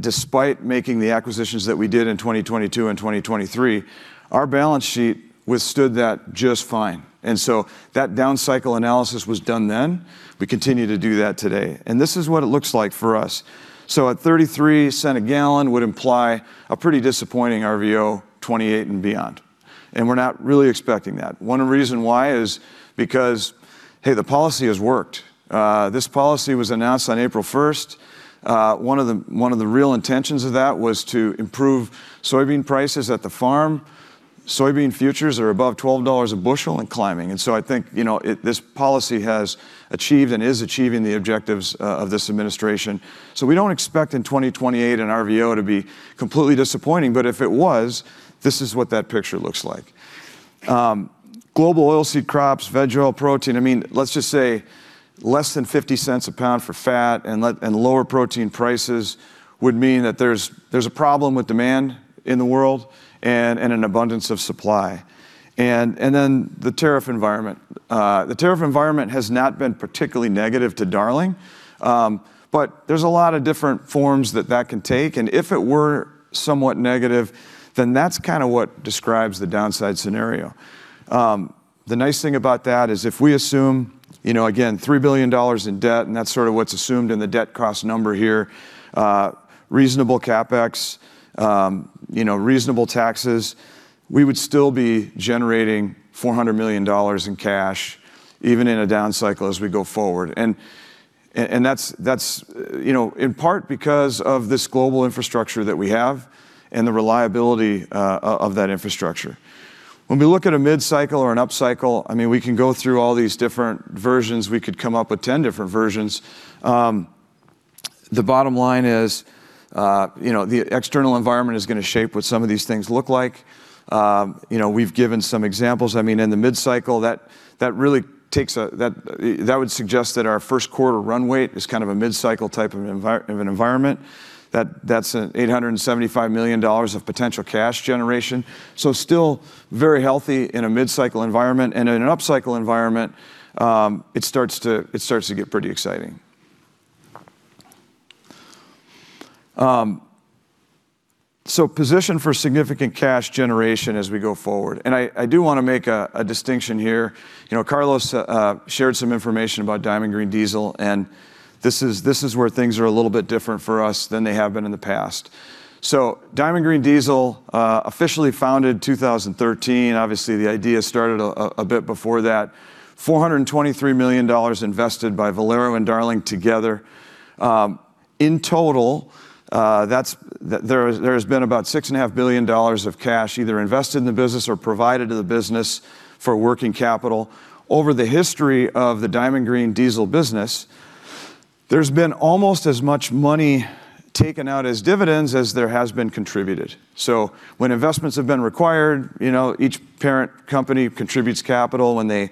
Despite making the acquisitions that we did in 2022 and 2023, our balance sheet withstood that just fine. That down cycle analysis was done then. We continue to do that today. This is what it looks like for us. At $0.33 a gallon would imply a pretty disappointing RVO, 2028 and beyond. We're not really expecting that. One reason why is because, hey, the policy has worked. This policy was announced on April 1st. One of the real intentions of that was to improve soybean prices at the farm. Soybean futures are above $12 a bushel and climbing. I think, you know, this policy has achieved and is achieving the objectives of this administration. We don't expect in 2028 an RVO to be completely disappointing, but if it was, this is what that picture looks like. Global oil seed crops, veg oil protein, I mean, let's just say less than $0.50 a pound for fat and lower protein prices would mean that there's a problem with demand in the world and an abundance of supply. Then the tariff environment. The tariff environment has not been particularly negative to Darling, but there's a lot of different forms that that can take, and if it were somewhat negative, then that's kinda what describes the downside scenario. The nice thing about that is if we assume, you know, again, $3 billion in debt, and that's sorta what's assumed in the debt cost number here, reasonable CapEx, you know, reasonable taxes, we would still be generating $400 million in cash even in a down cycle as we go forward. That's, you know, in part because of this global infrastructure that we have and the reliability of that infrastructure. When we look at a mid cycle or an up cycle, I mean, we can go through all these different versions. We could come up with 10 different versions. The bottom line is, you know, the external environment is going to shape what some of these things look like. You know, we've given some examples. I mean, in the mid cycle, that really that would suggest that our first quarter run rate is kind of a mid-cycle type of an environment. That's an $875 million of potential cash generation. Still very healthy in a mid-cycle environment. In an up cycle environment, it starts to get pretty exciting. Position for significant cash generation as we go forward. I do want to make a distinction here. You know, Carlos shared some information about Diamond Green Diesel, this is where things are a little bit different for us than they have been in the past. Diamond Green Diesel officially founded 2013. Obviously, the idea started a bit before that. $423 million invested by Valero and Darling together. In total, there has been about $6.5 billion of cash either invested in the business or provided to the business for working capital. Over the history of the Diamond Green Diesel business, there's been almost as much money taken out as dividends as there has been contributed. When investments have been required, you know, each parent company contributes capital. When they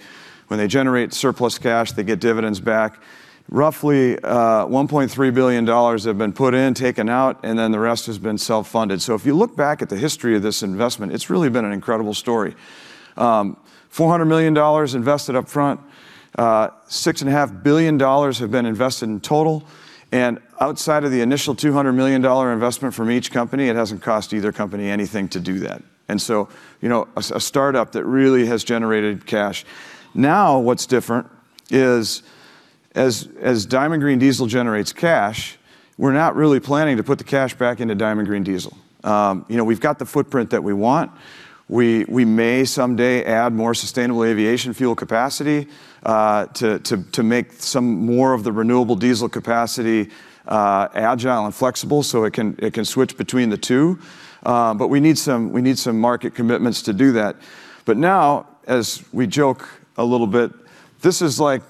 generate surplus cash, they get dividends back. Roughly, $1.3 billion have been put in, taken out, the rest has been self-funded. If you look back at the history of this investment, it's really been an incredible story. $400 million invested up front. Six and a half billion dollars have been invested in total. Outside of the initial $200 million investment from each company, it hasn't cost either company anything to do that. You know, a startup that really has generated cash. Now what's different is. As Diamond Green Diesel generates cash, we're not really planning to put the cash back into Diamond Green Diesel. You know, we've got the footprint that we want. We may someday add more sustainable aviation fuel capacity to make some more of the renewable diesel capacity agile and flexible so it can switch between the two. We need some market commitments to do that. Now, as we joke a little bit, this is like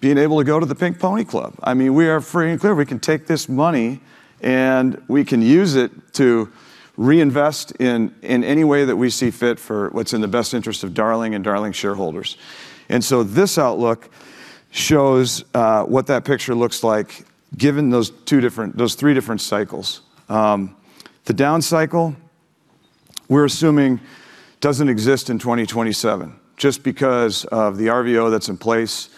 being able to go to the Pink Pony Club. I mean, we are free and clear. We can take this money and we can use it to reinvest in any way that we see fit for what's in the best interest of Darling and Darling shareholders. This outlook shows what that picture looks like given those three different cycles. The down cycle, we're assuming doesn't exist in 2027 just because of the RVO that's in place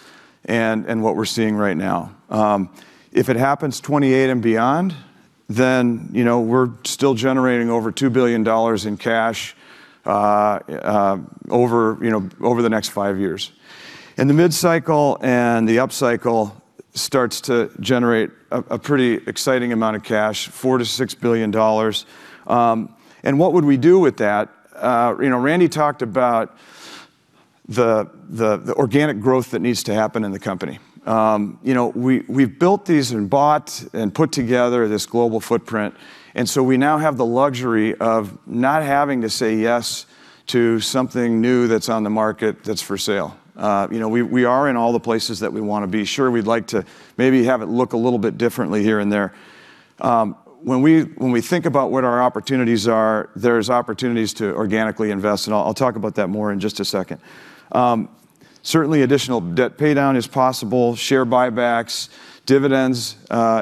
and what we're seeing right now. If it happens 2028 and beyond, then, you know, we're still generating over $2 billion in cash over, you know, over the next 5 years. In the mid cycle and the up cycle starts to generate a pretty exciting amount of cash, $4 billion-$6 billion. What would we do with that? You know, Randy talked about the organic growth that needs to happen in the company. You know, we've built these and bought and put together this global footprint, so we now have the luxury of not having to say yes to something new that's on the market that's for sale. You know, we are in all the places that we wanna be. Sure, we'd like to maybe have it look a little bit differently here and there. When we think about what our opportunities are, there's opportunities to organically invest, and I'll talk about that more in just a second. Certainly additional debt paydown is possible. Share buybacks, dividends,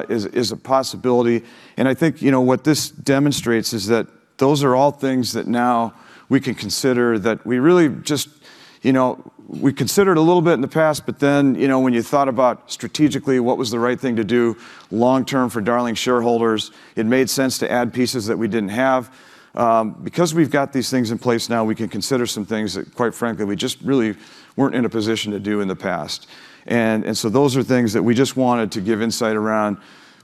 is a possibility. I think, you know, what this demonstrates is that those are all things that now we can consider that we really just, you know, we considered a little bit in the past, you know, when you thought about strategically what was the right thing to do long term for Darling shareholders, it made sense to add pieces that we didn't have. Because we've got these things in place now, we can consider some things that quite frankly, we just really weren't in a position to do in the past. Those are things that we just wanted to give insight around.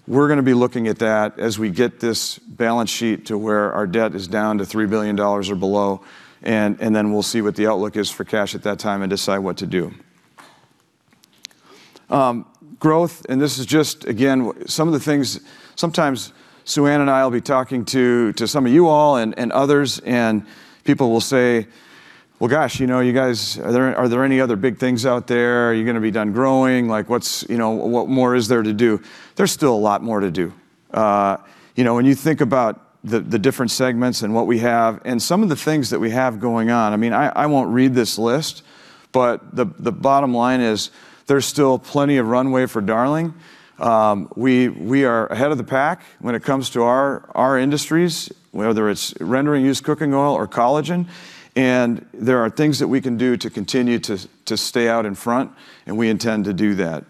We're gonna be looking at that as we get this balance sheet to where our debt is down to $3 billion or below, and then we'll see what the outlook is for cash at that time and decide what to do. Growth, this is just again, some of the things, sometimes Suann and I will be talking to some of you all and others, and people will say, "Well, gosh, you know, you guys, are there any other big things out there? Are you gonna be done growing? Like, what's, you know, what more is there to do?" There's still a lot more to do. You know, when you think about the different segments and what we have and some of the things that we have going on, I mean, I won't read this list, but the bottom line is there's still plenty of runway for Darling. We are ahead of the pack when it comes to our industries, whether it's rendering used cooking oil or collagen, and there are things that we can do to continue to stay out in front, and we intend to do that.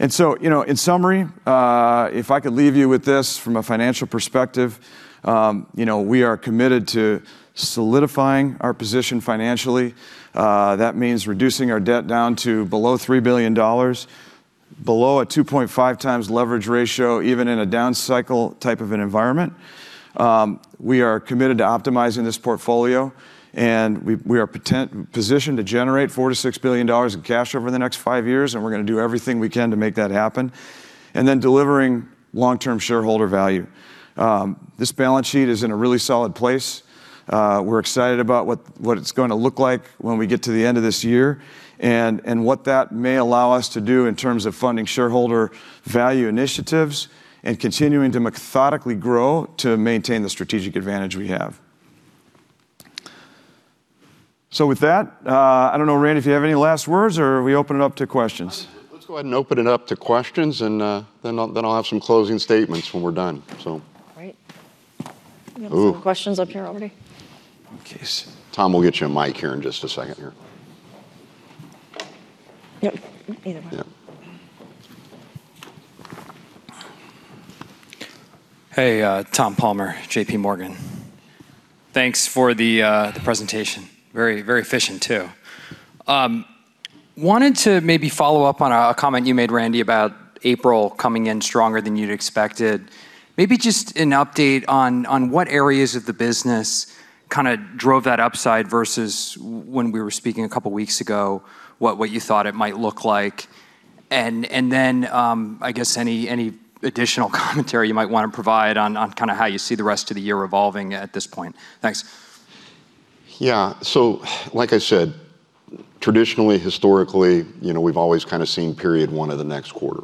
You know, in summary, if I could leave you with this from a financial perspective, you know, we are committed to solidifying our position financially. That means reducing our debt down to below $3 billion, below a 2.5 times leverage ratio, even in a down cycle type of an environment. We are committed to optimizing this portfolio, and we are positioned to generate $4 billion-$6 billion in cash over the next five years, and we're gonna do everything we can to make that happen. Delivering long-term shareholder value. This balance sheet is in a really solid place. We're excited about what it's gonna look like when we get to the end of this year, and what that may allow us to do in terms of funding shareholder value initiatives and continuing to methodically grow to maintain the strategic advantage we have. With that, I don't know, Randy, if you have any last words or we open it up to questions. Let's go ahead and open it up to questions, and then I'll have some closing statements when we're done. So. All right. Ooh. Some questions up here already. Okay. Tom, we'll get you a mic here in just a second here. Yep. Either one. Yep. Hey, Tom Palmer, JPMorgan. Thanks for the presentation. Very, very efficient too. Wanted to maybe follow up on a comment you made, Randy, about April coming in stronger than you'd expected. Maybe just an update on what areas of the business kinda drove that upside versus when we were speaking a couple weeks ago, what you thought it might look like. I guess any additional commentary you might wanna provide on kinda how you see the rest of the year evolving at this point. Thanks. Yeah. Like I said, traditionally, historically, you know, we've always kind of seen period one of the next quarter.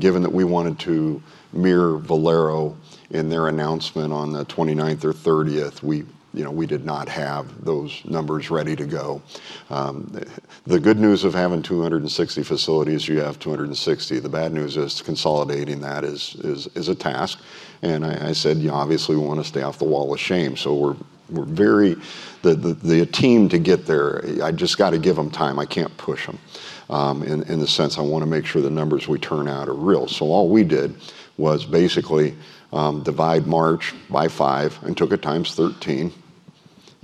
Given that we wanted to mirror Valero in their announcement on the 29th or 30th, we, you know, we did not have those numbers ready to go. The good news of having 260 facilities, you have 260. The bad news is consolidating that is a task. I said, you obviously want to stay off the wall of shame. The team to get there, I just got to give them time. I can't push them, in the sense I want to make sure the numbers we turn out are real. All we did was basically, divide March by 5 and took it times 13.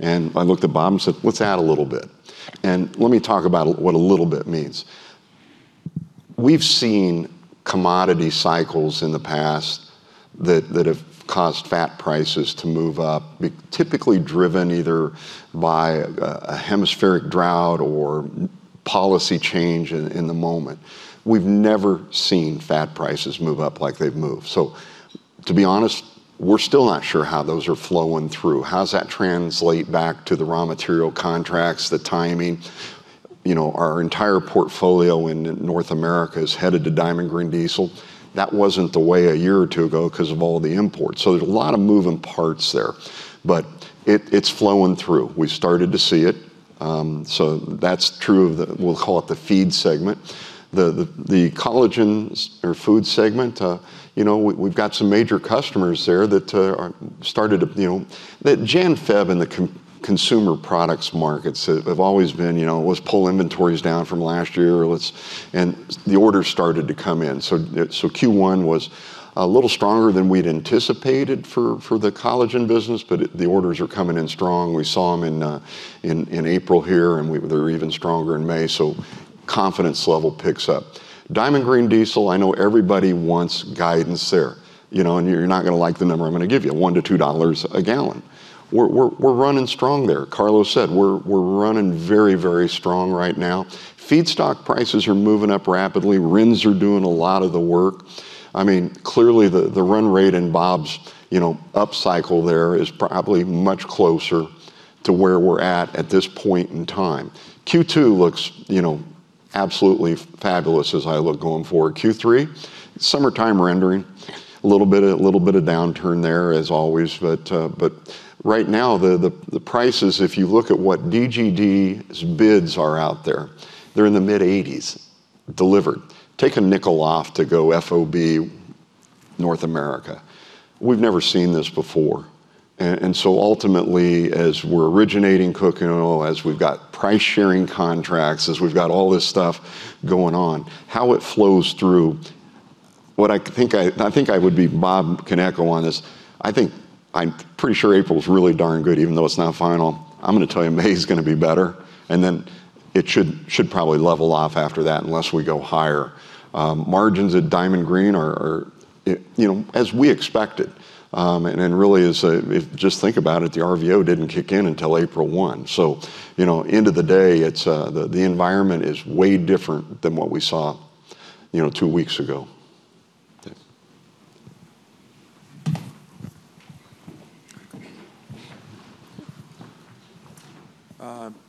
I looked at Bob and said, "Let's add a little bit." Let me talk about what a little bit means. We've seen commodity cycles in the past that have caused fat prices to move up, typically driven either by a hemispheric drought or policy change in the moment. We've never seen fat prices move up like they've moved. To be honest, we're still not sure how those are flowing through. How does that translate back to the raw material contracts, the timing? You know, our entire portfolio in North America is headed to Diamond Green Diesel. That wasn't the way a year or two ago because of all the imports. There's a lot of moving parts there, but it's flowing through. We started to see it. That's true of the we'll call it the Feed Ingredients segment. The collagen or Food Ingredients segment, you know, we've got some major customers there that are started to, you know that Jan, Feb in the consumer products markets have always been, you know, let's pull inventories down from last year or let's The orders started to come in. Q1 was a little stronger than we'd anticipated for the collagen business, but the orders are coming in strong. We saw them in April here, and they're even stronger in May. Confidence level picks up. Diamond Green Diesel, I know everybody wants guidance there. You know, you're not gonna like the number I'm gonna give you, $1 to $2 a gallon. We're running strong there. Carlos said we're running very, very strong right now. Feedstock prices are moving up rapidly. RINs are doing a lot of the work. I mean, clearly the run rate in Bob's, you know, upcycle there is probably much closer to where we're at at this point in time. Q2 looks, you know, absolutely fabulous as I look going forward. Q3, summertime rendering, a little bit of downturn there as always. Right now the prices, if you look at what DGD's bids are out there, they're in the mid-80s delivered. Take $0.05 off to go FOB North America. We've never seen this before. Ultimately, as we're originating cooking oil, as we've got price sharing contracts, as we've got all this stuff going on, how it flows through, what I think I would be Bob can echo on this. I think I'm pretty sure April's really darn good, even though it's not final. I'm gonna tell you May's gonna be better, it should probably level off after that unless we go higher. Margins at Diamond Green are, you know, as we expected, really as, if just think about it, the RVO didn't kick in until April 1. You know, end of the day, it's the environment is way different than what we saw, you know, two weeks ago. Thank you.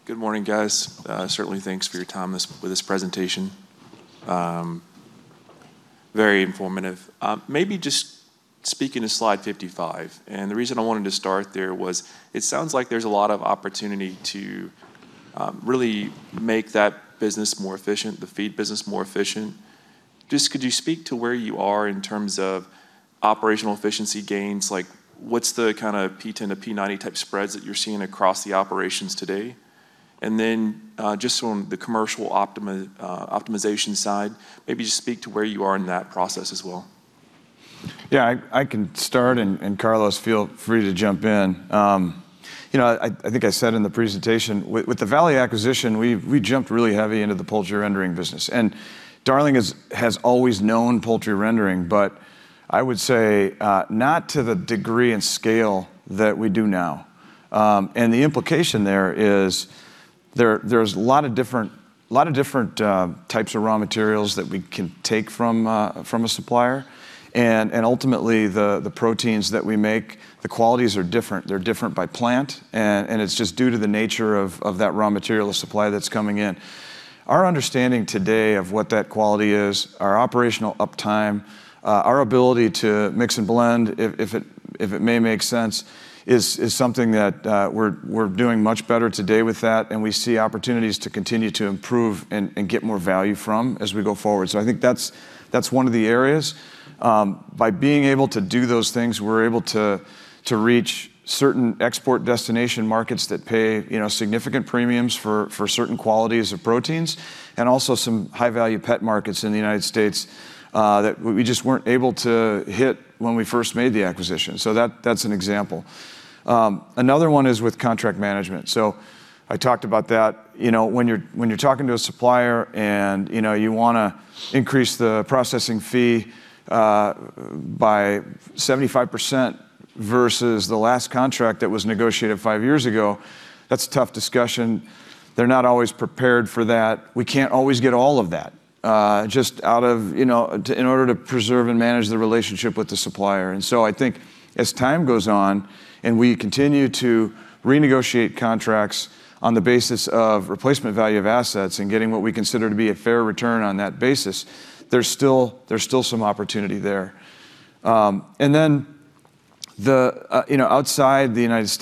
Good morning, guys. Certainly thanks for your time with this presentation. Very informative. Maybe just speaking to slide 55, and the reason I wanted to start there was it sounds like there's a lot of opportunity to really make that business more efficient, the feed business more efficient. Just could you speak to where you are in terms of operational efficiency gains? Like, what's the kind of P10 to P90 type spreads that you're seeing across the operations today? Just on the commercial optimization side, maybe just speak to where you are in that process as well. Yeah, I can start and Carlos feel free to jump in. You know, I think I said in the presentation, with the Valley acquisition, we jumped really heavy into the poultry rendering business. Darling has always known poultry rendering, but I would say not to the degree and scale that we do now. The implication there is, there's a lot of different types of raw materials that we can take from a supplier. Ultimately the proteins that we make, the qualities are different. They're different by plant. It's just due to the nature of that raw material, the supply that's coming in. Our understanding today of what that quality is, our operational uptime, our ability to mix and blend if it may make sense, is something that we're doing much better today with that and we see opportunities to continue to improve and get more value from as we go forward. I think that's one of the areas. By being able to do those things, we're able to reach certain export destination markets that pay, you know, significant premiums for certain qualities of proteins and also some high value pet markets in the United States that we just weren't able to hit when we first made the acquisition. That's an example. Another one is with contract management. I talked about that. You know, when you're talking to a supplier and, you know, you wanna increase the processing fee by 75% versus the last contract that was negotiated five years ago, that's a tough discussion. They're not always prepared for that. We can't always get all of that just out of, in order to preserve and manage the relationship with the supplier. I think as time goes on and we continue to renegotiate contracts on the basis of replacement value of assets and getting what we consider to be a fair return on that basis, there's still some opportunity there. The, you know, outside the U.S.,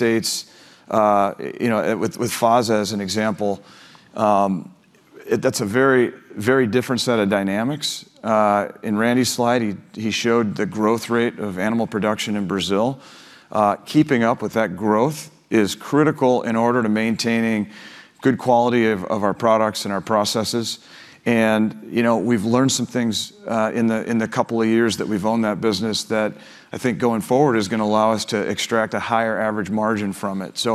you know, with FASA as an example, that's a very different set of dynamics. In Randy's slide, he showed the growth rate of animal production in Brazil. Keeping up with that growth is critical in order to maintaining good quality of our products and our processes. You know, we've learned some things in the two years that we've owned that business that I think going forward is gonna allow us to extract a higher average margin from it.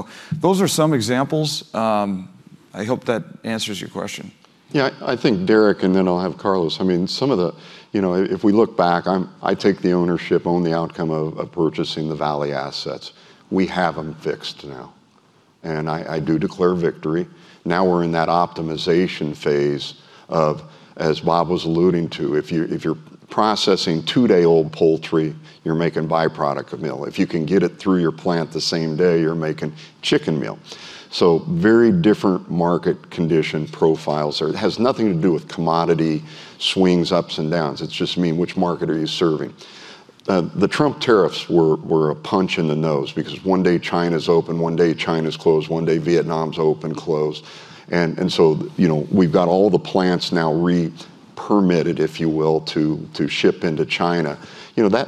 Those are some examples. I hope that answers your question. Yeah, I think Derrick, and then I'll have Carlos. I mean, some of the, you know, if we look back, I take the ownership on the outcome of purchasing the Valley assets. We have them fixed now, and I do declare victory. We're in that optimization phase of, as Bob was alluding to, if you're processing two-day-old poultry, you're making byproduct of meal. If you can get it through your plant the same day, you're making chicken meal. Very different market condition profiles. It has nothing to do with commodity swings, ups and downs. It's just which market are you serving. The Trump tariffs were a punch in the nose because one day China's open, one day China's closed, one day Vietnam's open, closed. You know, we've got all the plants now re-permitted, if you will, to ship into China.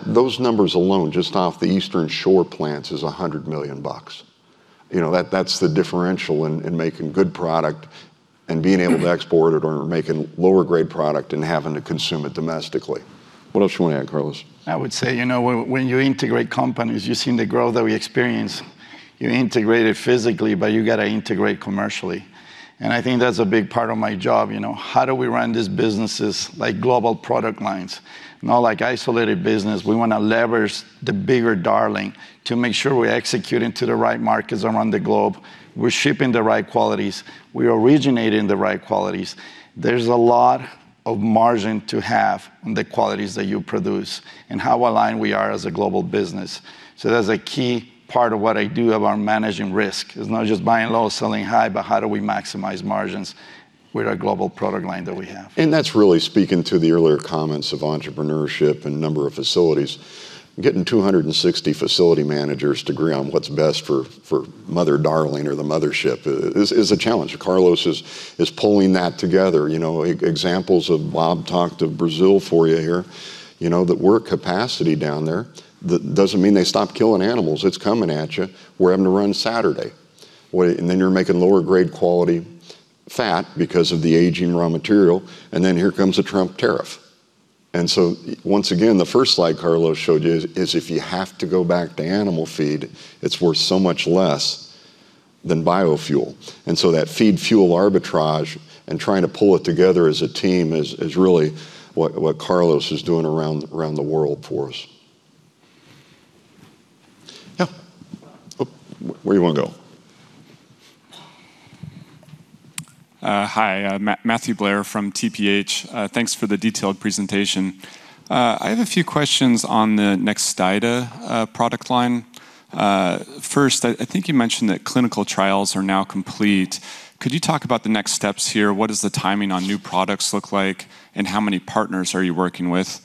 Those numbers alone, just off the Eastern Shore plants, is $100 million. That's the differential in making good product and being able to export it or making lower grade product and having to consume it domestically. What else you want to add, Carlos? I would say, you know, when you integrate companies, you've seen the growth that we experience. You integrate it physically, but you got to integrate commercially. I think that's a big part of my job. You know, how do we run these businesses like global product lines? Not like isolated business. We want to leverage the bigger Darling to make sure we're executing to the right markets around the globe. We're shipping the right qualities. We're originating the right qualities. There's a lot of margin to have in the qualities that you produce and how aligned we are as a global business. That's a key part of what I do around managing risk. It's not just buying low, selling high, but how do we maximize margins with our global product line that we have? That's really speaking to the earlier comments of entrepreneurship in a number of facilities. Getting 260 facility managers to agree on what's best for Mother Darling or the mothership is a challenge. Carlos is pulling that together. You know, examples of Bob talked of Brazil for you here. You know, that we're capacity down there. That doesn't mean they stop killing animals. It's coming at you. We're having to run Saturday. You're making lower grade quality fat because of the aging raw material, here comes a Trump tariff. Once again, the first slide Carlos showed you is if you have to go back to animal feed, it's worth so much less than biofuel. That feed-fuel arbitrage and trying to pull it together as a team is really what Carlos is doing around the world for us. Yeah. Where do you want to go? Hi, Matthew Blair from TPH. Thanks for the detailed presentation. I have a few questions on the Nextida product line. First, I think you mentioned that clinical trials are now complete. Could you talk about the next steps here? What does the timing on new products look like, and how many partners are you working with?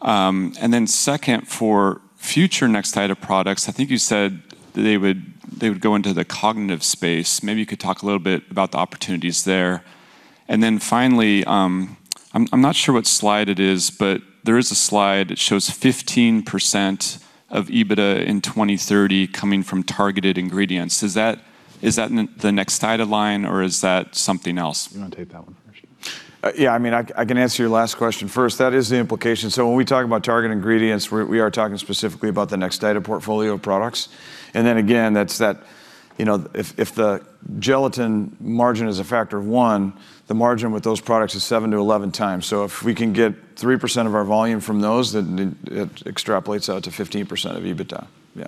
Second, for future Nextida products, I think you said they would go into the cognitive space. Maybe you could talk a little bit about the opportunities there. Finally, I'm not sure what slide it is, but there is a slide that shows 15% of EBITDA in 2030 coming from targeted ingredients. Is that in the Nextida line or is that something else? You wanna take that one first? Yeah, I mean, I can answer your last question first. That is the implication. When we talk about target ingredients, we are talking specifically about the Nextida portfolio of products. Again, you know, if the gelatin margin is a factor of 1, the margin with those products is 7-11 times. If we can get 3% of our volume from those, then it extrapolates out to 15% of EBITDA. Yeah.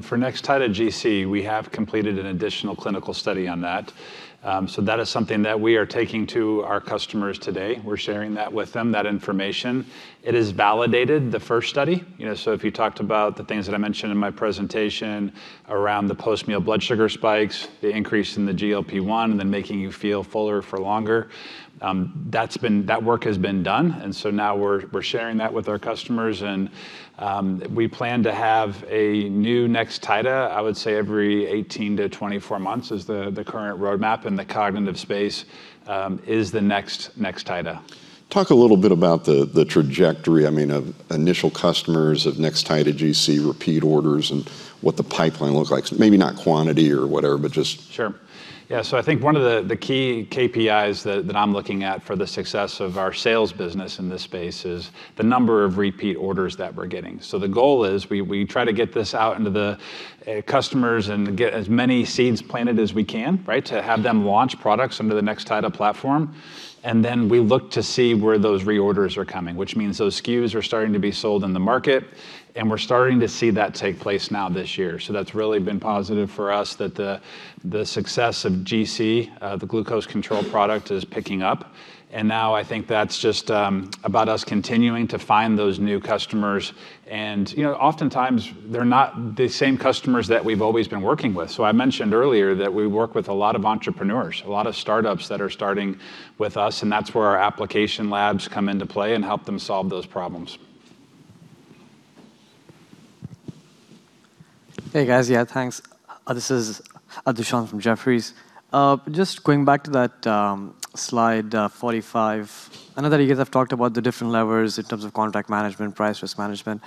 For Nextida GC, we have completed an additional clinical study on that. That is something that we are taking to our customers today. We're sharing that with them, that information. It has validated the first study. You know, if you talked about the things that I mentioned in my presentation around the post-meal blood sugar spikes, the increase in the GLP-1, and then making you feel fuller for longer, that work has been done. Now we're sharing that with our customers and we plan to have a new Nextida, I would say every 18 to 24 months is the current roadmap, and the cognitive space is the next Nextida. Talk a little bit about the trajectory, I mean, of initial customers of Nextida GC repeat orders and what the pipeline looks like. Maybe not quantity or whatever. Sure. Yeah. I think one of the key KPIs that I'm looking at for the success of our sales business in this space is the number of repeat orders that we're getting. The goal is we try to get this out into the customers and get as many seeds planted as we can, right? To have them launch products under the Nextida platform. We look to see where those reorders are coming, which means those SKUs are starting to be sold in the market, and we're starting to see that take place now this year. That's really been positive for us that the success of GC, the glucose control product, is picking up. Now I think that's just about us continuing to find those new customers. You know, oftentimes they're not the same customers that we've always been working with. I mentioned earlier that we work with a lot of entrepreneurs, a lot of startups that are starting with us, and that's where our application labs come into play and help them solve those problems. Hey, guys. Yeah, thanks. This is Dushyant Ailani from Jefferies. Just going back to that slide 45. I know that you guys have talked about the different levers in terms of contract management, price risk management.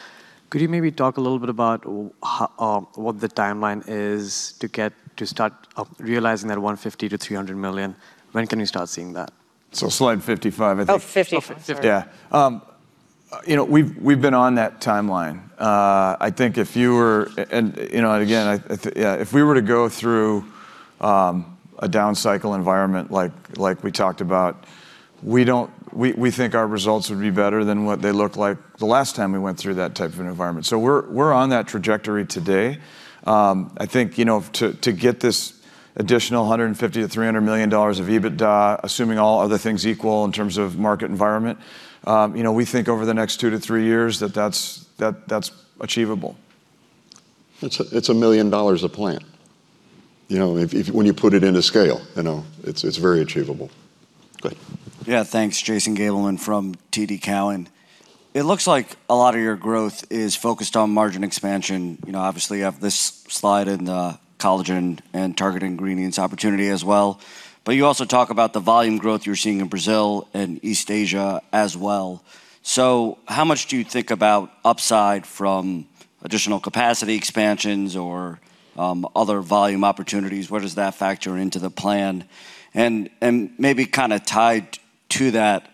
Could you maybe talk a little bit about what the timeline is to get to start realizing that $150 million to $300 million? When can you start seeing that? Slide 55, I think. Oh, 55. Sorry. Yeah. You know, we've been on that timeline. I think if you were, and you know, again, if we were to go through a down cycle environment like we talked about, we think our results would be better than what they looked like the last time we went through that type of an environment. We're on that trajectory today. I think, you know, to get this additional $150 million to $300 million of EBITDA, assuming all other things equal in terms of market environment, you know, we think over the next two to three years that that's achievable. It's $1 million a plant. You know, when you put it into scale, you know, it's very achievable. Go ahead. Yeah, thanks. Jason Gabelman from TD Cowen. It looks like a lot of your growth is focused on margin expansion. You know, obviously you have this slide in the collagen and targeted ingredients opportunity as well, but you also talk about the volume growth you're seeing in Brazil and East Asia as well. How much do you think about upside from additional capacity expansions or other volume opportunities? Where does that factor into the plan? Maybe kinda tied to that,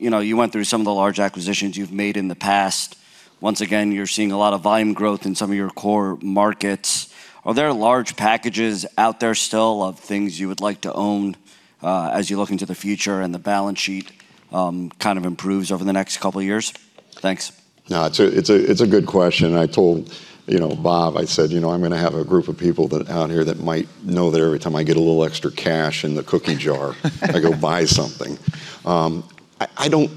you know, you went through some of the large acquisitions you've made in the past. Once again, you're seeing a lot of volume growth in some of your core markets. Are there large packages out there still of things you would like to own, as you look into the future and the balance sheet, kind of improves over the next couple years? Thanks. No, it's a good question. I told, you know, Bob, I said, "You know, I'm gonna have a group of people out here that might know that every time I get a little extra cash in the cookie jar, I go buy something." I don't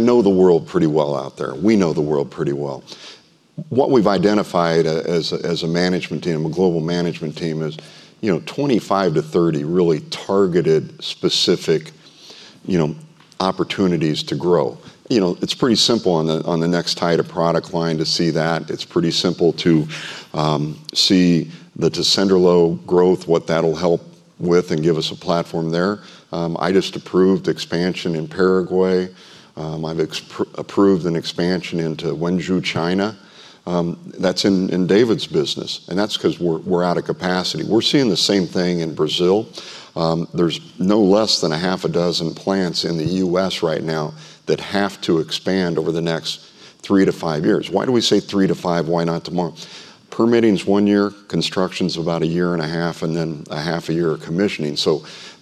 know the world pretty well out there. We know the world pretty well. What we've identified as a management team, a global management team, is, you know, 25 to 30 really targeted, specific, you know, opportunities to grow. You know, it's pretty simple on the Nextida product line to see that. It's pretty simple to see the Tessenderlo growth, what that'll help with and give us a platform there. I just approved expansion in Paraguay. I've approved an expansion into Wenzhou, China. That's in David's business, and that's cause we're outta capacity. We're seeing the same thing in Brazil. There's no less than a 0.5 dozen plants in the U.S. right now that have to expand over the next 3-5 years. Why do we say 3-5? Why not tomorrow? Permitting's 1 year, construction's about 1.5 years, and then 0.5 years of commissioning.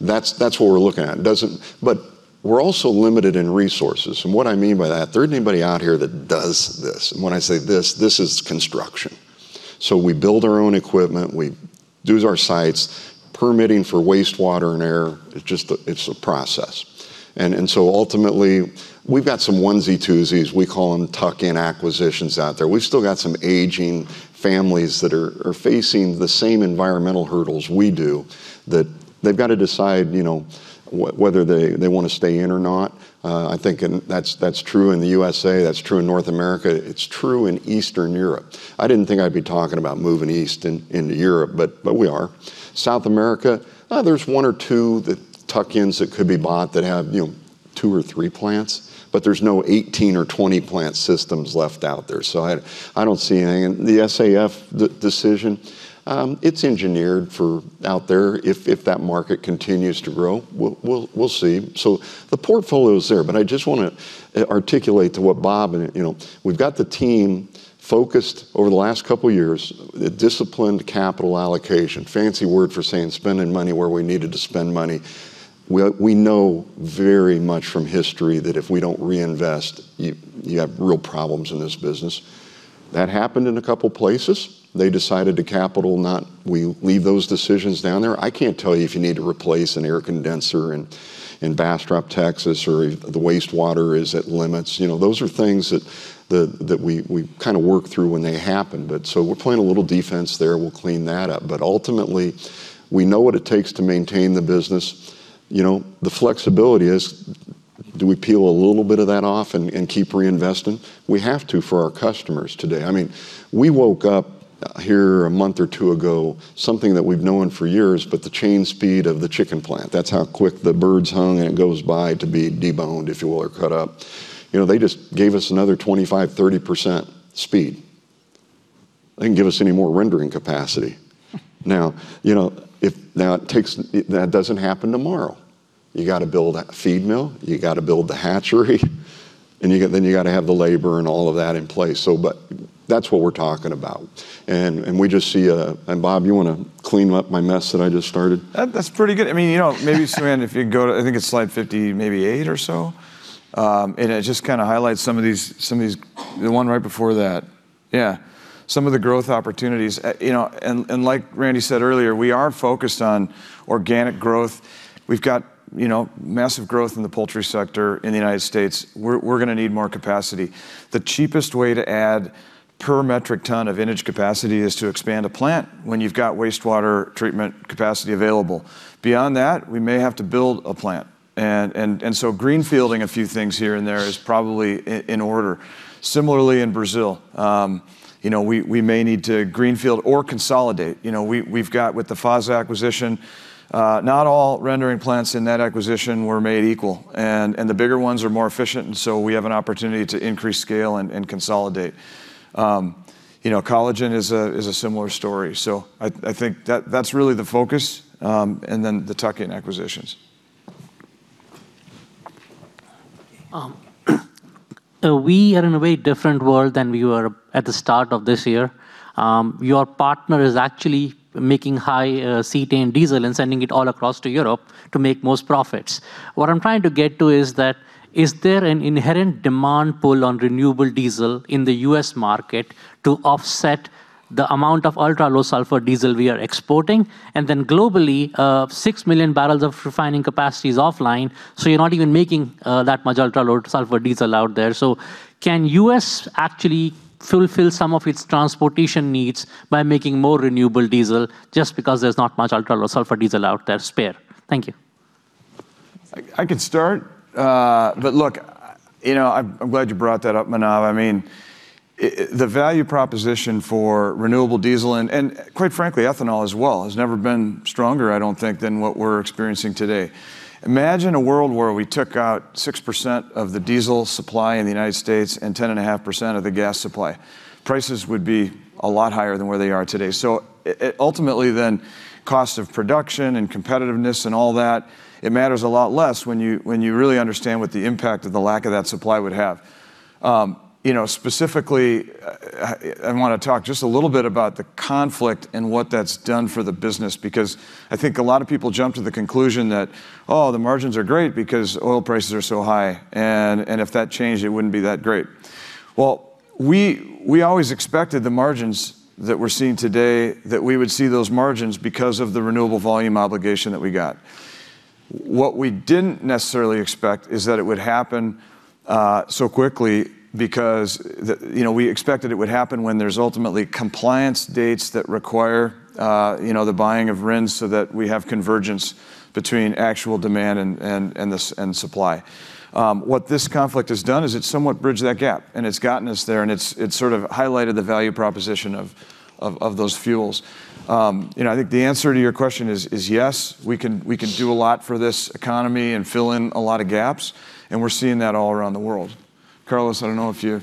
That's what we're looking at. We're also limited in resources, and what I mean by that, there isn't anybody out here that does this. When I say this is construction. We build our own equipment, we choose our sites. Permitting for wastewater and air is just it's a process. Ultimately, we've got some onesie-twosies, we call them tuck-in acquisitions out there. We've still got some aging families that are facing the same environmental hurdles we do, that they've gotta decide, you know, whether they wanna stay in or not. I think that's true in the USA, that's true in North America, it's true in Eastern Europe. I didn't think I'd be talking about moving east into Europe, but we are. South America, there's one or two tuck-ins that could be bought that have, you know, two or three plants, but there's no 18 or 20 plant systems left out there. I don't see any. The SAF decision, it's engineered for out there if that market continues to grow. We'll see. The portfolio's there, but I just wanna articulate to what Bob and we've got the team focused over the last couple years, disciplined capital allocation. Fancy word for saying spending money where we needed to spend money. We know very much from history that if we don't reinvest, you have real problems in this business. That happened in a couple places. We leave those decisions down there. I can't tell you if you need to replace an air condenser in Bastrop, Texas, or if the wastewater is at limits. Those are things that we kinda work through when they happen. We're playing a little defense there, we'll clean that up. Ultimately, we know what it takes to maintain the business. You know, the flexibility is do we peel a little bit of that off and keep reinvesting? We have to for our customers today. I mean, we woke up here a month or two ago, something that we've known for years, but the chain speed of the chicken plant. That's how quick the birds hung and it goes by to be de-boned, if you will, or cut up. You know, they just gave us another 25%, 30% speed. They didn't give us any more rendering capacity. That doesn't happen tomorrow. You gotta build a feed mill, you gotta build the hatchery, then you gotta have the labor and all of that in place. That's what we're talking about. Bob, you wanna clean up my mess that I just started? That's pretty good. I mean, you know, maybe, Suann, if you go to, I think it's slide 50, maybe eight or so. It just kinda highlights some of these. The one right before that. Yeah. Some of the growth opportunities. You know, and like Randy said earlier, we are focused on organic growth. We've got, you know, massive growth in the poultry sector in the United States. We're gonna need more capacity. The cheapest way to add per metric ton of vintage capacity is to expand a plant when you've got wastewater treatment capacity available. Beyond that, we may have to build a plant. Greenfielding a few things here and there is probably in order. Similarly in Brazil, you know, we may need to greenfield or consolidate. You know, we've got with the FASA acquisition, not all rendering plants in that acquisition were made equal. The bigger ones are more efficient, we have an opportunity to increase scale and consolidate. You know, collagen is a similar story. I think that's really the focus, the tuck-in acquisitions. We are in a very different world than we were at the start of this year. Your partner is actually making high cetane diesel and sending it all across to Europe to make most profits. What I'm trying to get to is that, is there an inherent demand pull on renewable diesel in the U.S. market to offset the amount of ultra-low sulfur diesel we are exporting? Globally, 6 million barrels of refining capacity is offline, so you're not even making that much ultra-low sulfur diesel out there. Can U.S. actually fulfill some of its transportation needs by making more renewable diesel just because there's not much ultra-low sulfur diesel out there spare? Thank you. I can start. Look, you know, I'm glad you brought that up, Manav. I mean, the value proposition for renewable diesel and quite frankly, ethanol as well, has never been stronger, I don't think, than what we're experiencing today. Imagine a world where we took out 6% of the diesel supply in the U.S. and 10.5% of the gas supply. Prices would be a lot higher than where they are today. Ultimately then, cost of production and competitiveness and all that, it matters a lot less when you really understand what the impact of the lack of that supply would have. You know, specifically, I wanna talk just a little bit about the conflict and what that's done for the business, because I think a lot of people jump to the conclusion that, oh, the margins are great because oil prices are so high, and if that changed, it wouldn't be that great. We always expected the margins that we're seeing today, that we would see those margins because of the Renewable Volume Obligation that we got. What we didn't necessarily expect is that it would happen so quickly. You know, we expected it would happen when there's ultimately compliance dates that require, you know, the buying of RINs so that we have convergence between actual demand and supply. What this conflict has done is it's somewhat bridged that gap, and it's gotten us there, and it's sort of highlighted the value proposition of those fuels. You know, I think the answer to your question is yes, we can do a lot for this economy and fill in a lot of gaps, and we're seeing that all around the world. Carlos, I don't know if you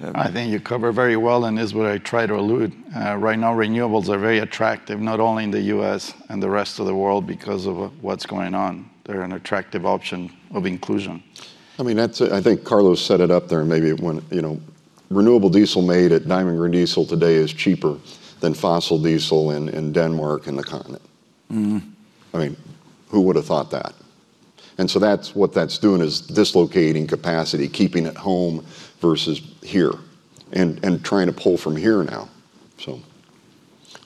have- I think you covered very well, and is what I tried to allude. Right now, renewables are very attractive, not only in the U.S. and the rest of the world because of what's going on. They're an attractive option of inclusion. I mean, that's a I think Carlos set it up there, and maybe it wouldn't, you know. Renewable diesel made at Diamond Green Diesel today is cheaper than fossil diesel in Denmark and the continent. I mean, who would've thought that? That's what that's doing is dislocating capacity, keeping it home versus here, and trying to pull from here now, so.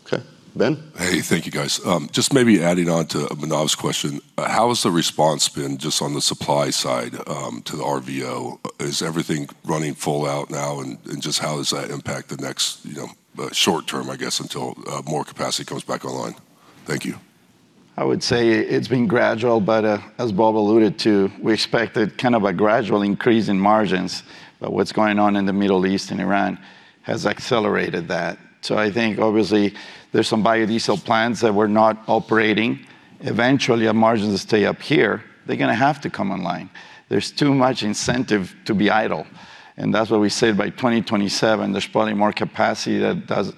Okay. Ben? Hey. Thank you, guys. Just maybe adding on to Manav's question. How has the response been just on the supply side to the RVO? Is everything running full out now, and just how does that impact the next, you know, short term, I guess, until more capacity comes back online? Thank you. I would say it's been gradual, but, as Bob alluded to, we expected kind of a gradual increase in margins. What's going on in the Middle East and Iran has accelerated that. I think obviously there's some biodiesel plants that were not operating. Eventually our margins stay up here, they're gonna have to come online. There's too much incentive to be idle. That's why we say by 2027, there's probably more capacity that does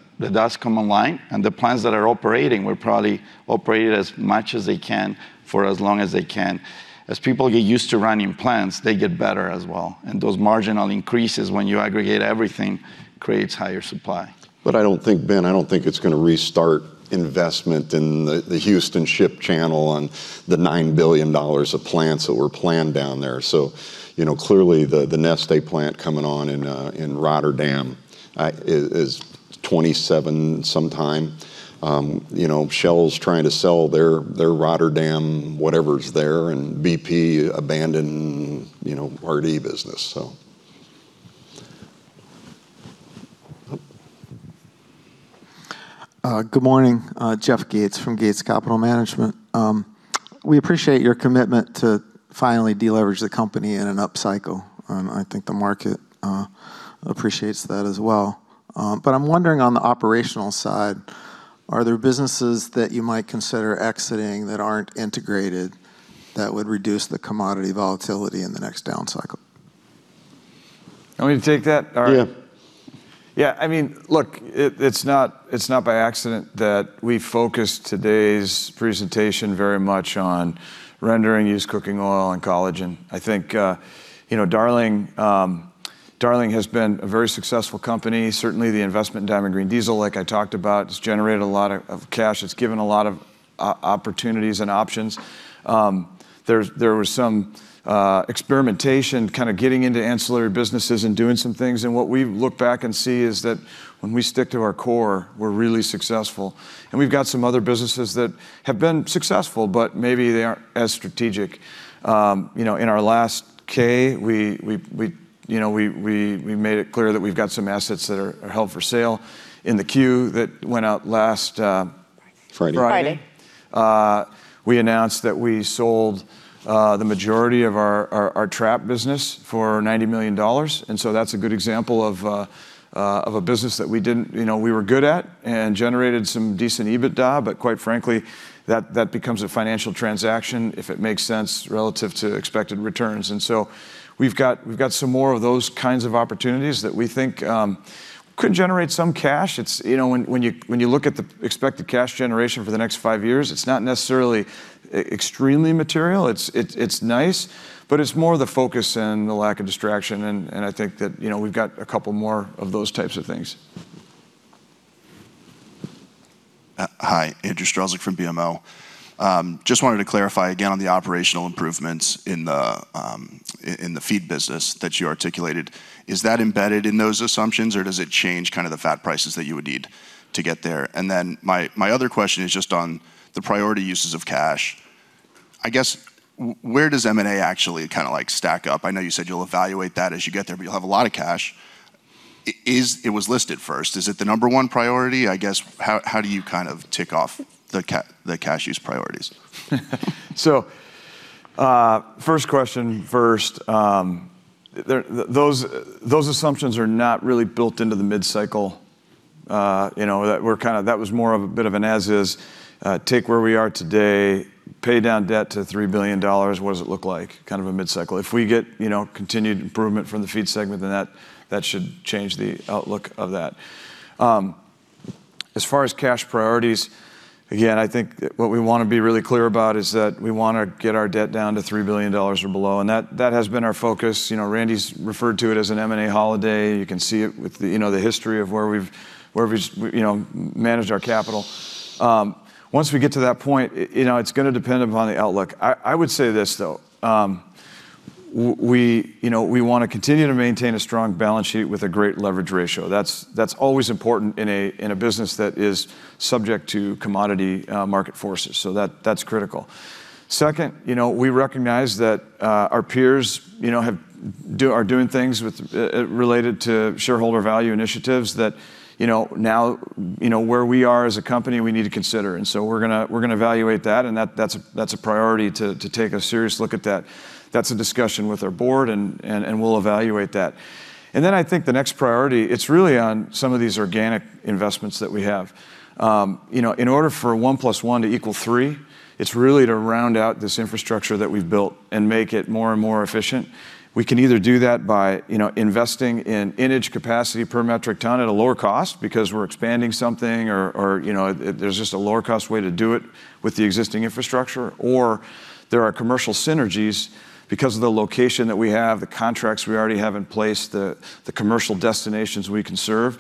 come online. The plants that are operating will probably operate as much as they can for as long as they can. As people get used to running plants, they get better as well. Those marginal increases, when you aggregate everything, creates higher supply. I don't think, Ben, I don't think it's gonna restart investment in the Houston Ship Channel and the $9 billion of plants that were planned down there. you know, clearly the Neste plant coming on in Rotterdam is 2027 sometime. you know, Shell's trying to sell their Rotterdam whatever's there, and BP abandoned, you know, RD business. Good morning. Jeff Gates from Gates Capital Management. We appreciate your commitment to finally de-leverage the company in an upcycle, and I think the market appreciates that as well. I'm wondering on the operational side, are there businesses that you might consider exiting that aren't integrated that would reduce the commodity volatility in the next down cycle? You want me to take that? Yeah. Yeah, I mean, look, it's not by accident that we focused today's presentation very much on rendering used cooking oil and collagen. I think, you know, Darling has been a very successful company. Certainly the investment in Diamond Green Diesel, like I talked about, has generated a lot of cash. It's given a lot of opportunities and options. There was some experimentation kinda getting into ancillary businesses and doing some things, what we look back and see is that when we stick to our core, we're really successful. We've got some other businesses that have been successful, but maybe they aren't as strategic. You know, in our last 10-K, we made it clear that we've got some assets that are held for sale. In the Q that went out last Friday Friday. Friday. We announced that we sold the majority of our trap business for $90 million. That's a good example of a business that, you know, we were good at and generated some decent EBITDA, but quite frankly, that becomes a financial transaction if it makes sense relative to expected returns. We've got some more of those kinds of opportunities that we think could generate some cash. It's, you know, when you look at the expected cash generation for the next five years, it's not necessarily extremely material. It's nice, but it's more the focus and the lack of distraction. I think that, you know, we've got a couple more of those types of things. Hi, Andrew Strelzik from BMO. just wanted to clarify again on the operational improvements in the feed business that you articulated. Is that embedded in those assumptions, or does it change kind of the fat prices that you would need to get there? My other question is just on the priority uses of cash. I guess where does M&A actually kinda like stack up? I know you said you'll evaluate that as you get there, but you'll have a lot of cash. It was listed first. Is it the number one priority? I guess, how do you kind of tick off the cash use priorities? First question first. Those assumptions are not really built into the mid-cycle. You know, that was more of a bit of an as is take where we are today, pay down debt to $3 billion, what does it look like, kind of a mid-cycle. If we get, you know, continued improvement from the Feed Ingredients segment, then that should change the outlook of that. As far as cash priorities, again, I think, what we wanna be really clear about is that we wanna get our debt down to $3 billion or below, and that has been our focus. You know, Randy's referred to it as an M&A holiday. You can see it with the, you know, the history of where we've, you know, managed our capital. Once we get to that point, you know, it's gonna depend upon the outlook. I would say this, though. We, you know, we wanna continue to maintain a strong balance sheet with a great leverage ratio. That's always important in a business that is subject to commodity market forces. That's critical. Second, you know, we recognize that our peers, you know, are doing things with related to shareholder value initiatives that, you know, now, you know, where we are as a company, we need to consider. We're gonna evaluate that, and that's a priority to take a serious look at that. That's a discussion with our board, and we'll evaluate that. I think the next priority, it's really on some of these organic investments that we have. You know, in order for 1 plus 1 to equal 3, it's really to round out this infrastructure that we've built and make it more and more efficient. We can either do that by, you know, investing in innage capacity per metric ton at a lower cost because we're expanding something or, you know, there's just a lower cost way to do it with the existing infrastructure, or there are commercial synergies because of the location that we have, the contracts we already have in place, the commercial destinations we can serve.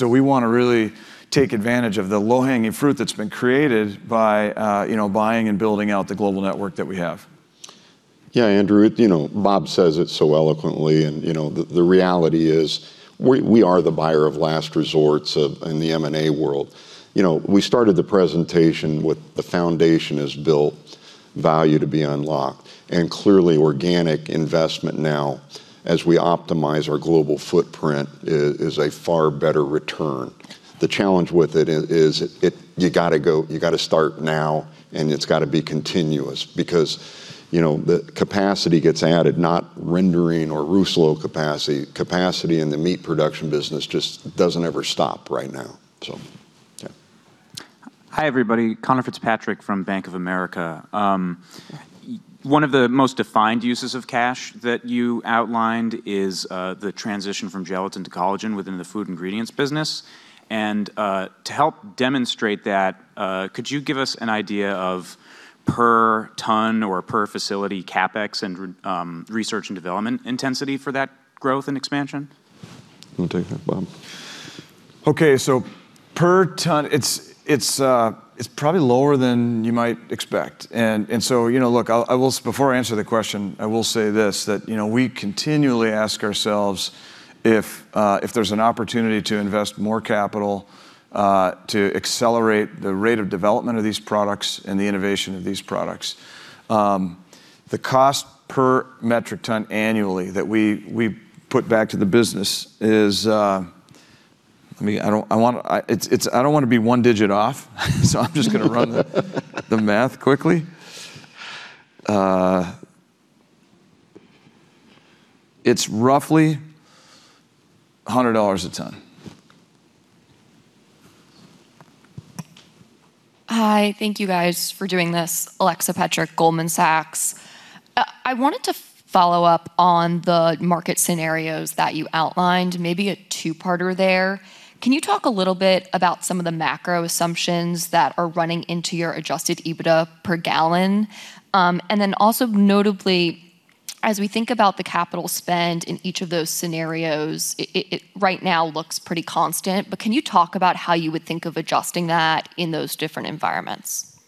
We wanna really take advantage of the low-hanging fruit that's been created by, you know, buying and building out the global network that we have. Yeah, Andrew, you know, Bob says it so eloquently and, you know, the reality is we are the buyer of last resorts of in the M&A world. You know, we started the presentation with the foundation is built value to be unlocked, clearly organic investment now as we optimize our global footprint is a far better return. The challenge with it is it you gotta go, you gotta start now, it's gotta be continuous because, you know, the capacity gets added, not rendering or Rousselot capacity. Capacity in the meat production business just doesn't ever stop right now. Yeah. Hi, Everybody. Conor Fitzpatrick from Bank of America. One of the most defined uses of cash that you outlined is the transition from gelatin to collagen within the Food Ingredients business. To help demonstrate that, could you give us an idea of per ton or per facility CapEx and research and development intensity for that growth and expansion? You wanna take that, Bob? Okay. Per ton, it's probably lower than you might expect. You know, look, I will say this, that, you know, we continually ask ourselves if there's an opportunity to invest more capital to accelerate the rate of development of these products and the innovation of these products. The cost per metric ton annually that we put back to the business is, I mean, I don't wanna be one digit off, so I'm just gonna run the math quickly. It's roughly $100 a ton. Hi. Thank you, guys, for doing this. Alexa Petrick, Goldman Sachs. I wanted to follow up on the market scenarios that you outlined, maybe a two-parter there. Can you talk a little bit about some of the macro assumptions that are running into your adjusted EBITDA per gallon? Also notably, as we think about the capital spend in each of those scenarios, it right now looks pretty constant, but can you talk about how you would think of adjusting that in those different environments?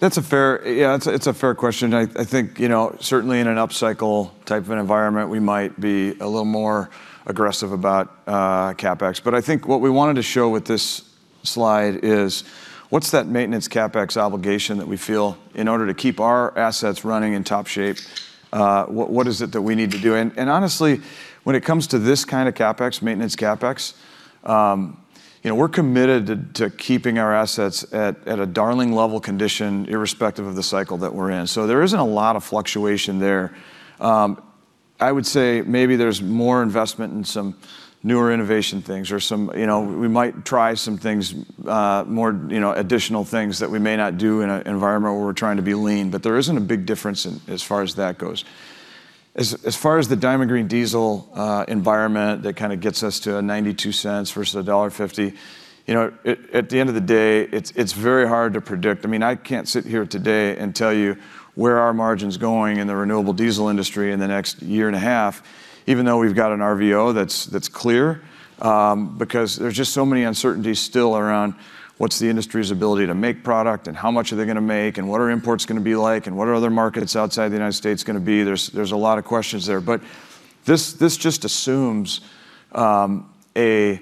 That's a fair question. I think, you know, certainly in an upcycle type of environment, we might be a little more aggressive about CapEx. I think what we wanted to show with this slide is what's that maintenance CapEx obligation that we feel in order to keep our assets running in top shape? What is it that we need to do? Honestly, when it comes to this kind of CapEx, maintenance CapEx, you know, we're committed to keeping our assets at a Darling level condition irrespective of the cycle that we're in. There isn't a lot of fluctuation there. I would say maybe there's more investment in some newer innovation things or some, you know, we might try some things, more, you know, additional things that we may not do in a environment where we're trying to be lean, but there isn't a big difference as far as that goes. As far as the Diamond Green Diesel environment that kinda gets us to a $0.92 versus $1.50, you know, at the end of the day, it's very hard to predict. I mean, I can't sit here today and tell you where our margin's going in the renewable diesel industry in the next year and a half, even though we've got an RVO that's clear. Because there's just so many uncertainties still around what's the industry's ability to make product, and how much are they gonna make, and what are imports gonna be like, and what are other markets outside the U.S. gonna be? There's a lot of questions there. This just assumes a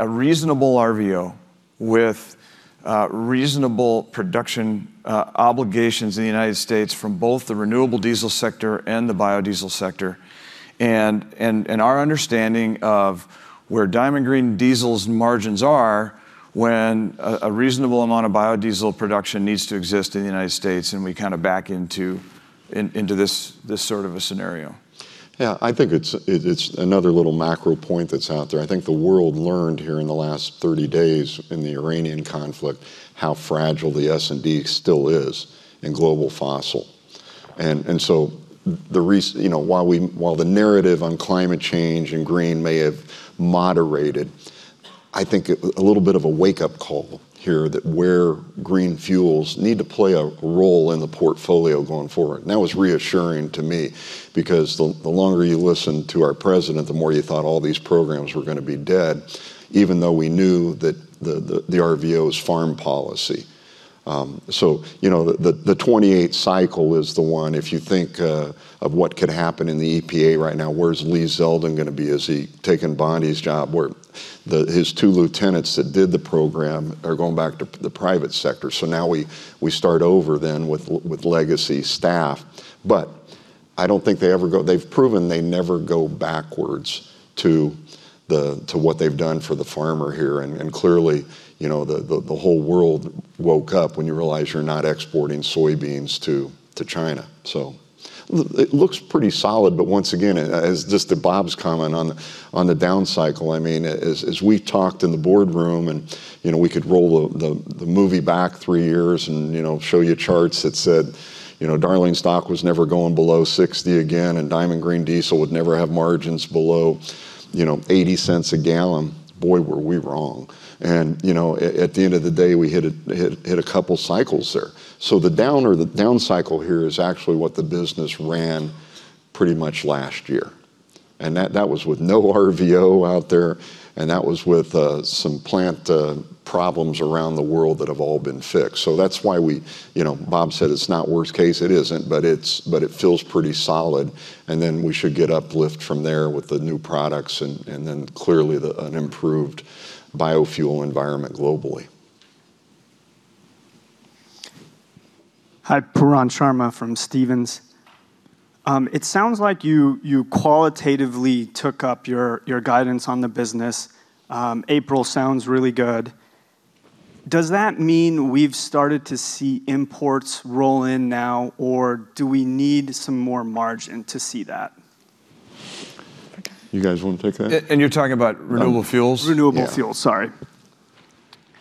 reasonable RVO with reasonable production obligations in the U.S. from both the renewable diesel sector and the biodiesel sector. Our understanding of where Diamond Green Diesel's margins are when a reasonable amount of biodiesel production needs to exist in the U.S., and we kinda back into this sort of a scenario. Yeah, I think it's another little macro point that's out there. I think the world learned here in the last 30 days in the Iranian conflict how fragile the S&P still is in global fossil. You know, while the narrative on climate change and green may have moderated, I think it was a little bit of a wake-up call here that where green fuels need to play a role in the portfolio going forward. That was reassuring to me because the longer you listen to our president, the more you thought all these programs were gonna be dead, even though we knew that the RVO is farm policy. You know, the 28 cycle is the one, if you think, of what could happen in the EPA right now, where's Lee Zeldin gonna be? Is he taking Bondi's job? His two lieutenants that did the program are going back to the private sector. Now we start over then with legacy staff. I don't think they ever go. They've proven they never go backwards to the, to what they've done for the farmer here. Clearly, you know, the whole world woke up when you realize you're not exporting soybeans to China. It looks pretty solid, but once again, as just to Bob's comment on the down cycle, I mean, as we talked in the boardroom, and, you know, we could roll the movie back 3 years and, you know, show you charts that said, you know, Darling stock was never going below 60 again, and Diamond Green Diesel would never have margins below, you know, $0.80 a gallon. Boy, were we wrong. You know, at the end of the day, we hit a couple cycles there. The down cycle here is actually what the business ran pretty much last year. That was with no RVO out there, and that was with some plant problems around the world that have all been fixed. That's why we You know, Bob said it's not worst case. It isn't, but it feels pretty solid, and then we should get uplift from there with the new products and then clearly an improved biofuel environment globally. Hi, Pooran Sharma from Stephens. It sounds like you qualitatively took up your guidance on the business. April sounds really good. Does that mean we've started to see imports roll in now, or do we need some more margin to see that? You guys wanna take that? You're talking about renewable fuels? Renewable fuels. Yeah. Sorry.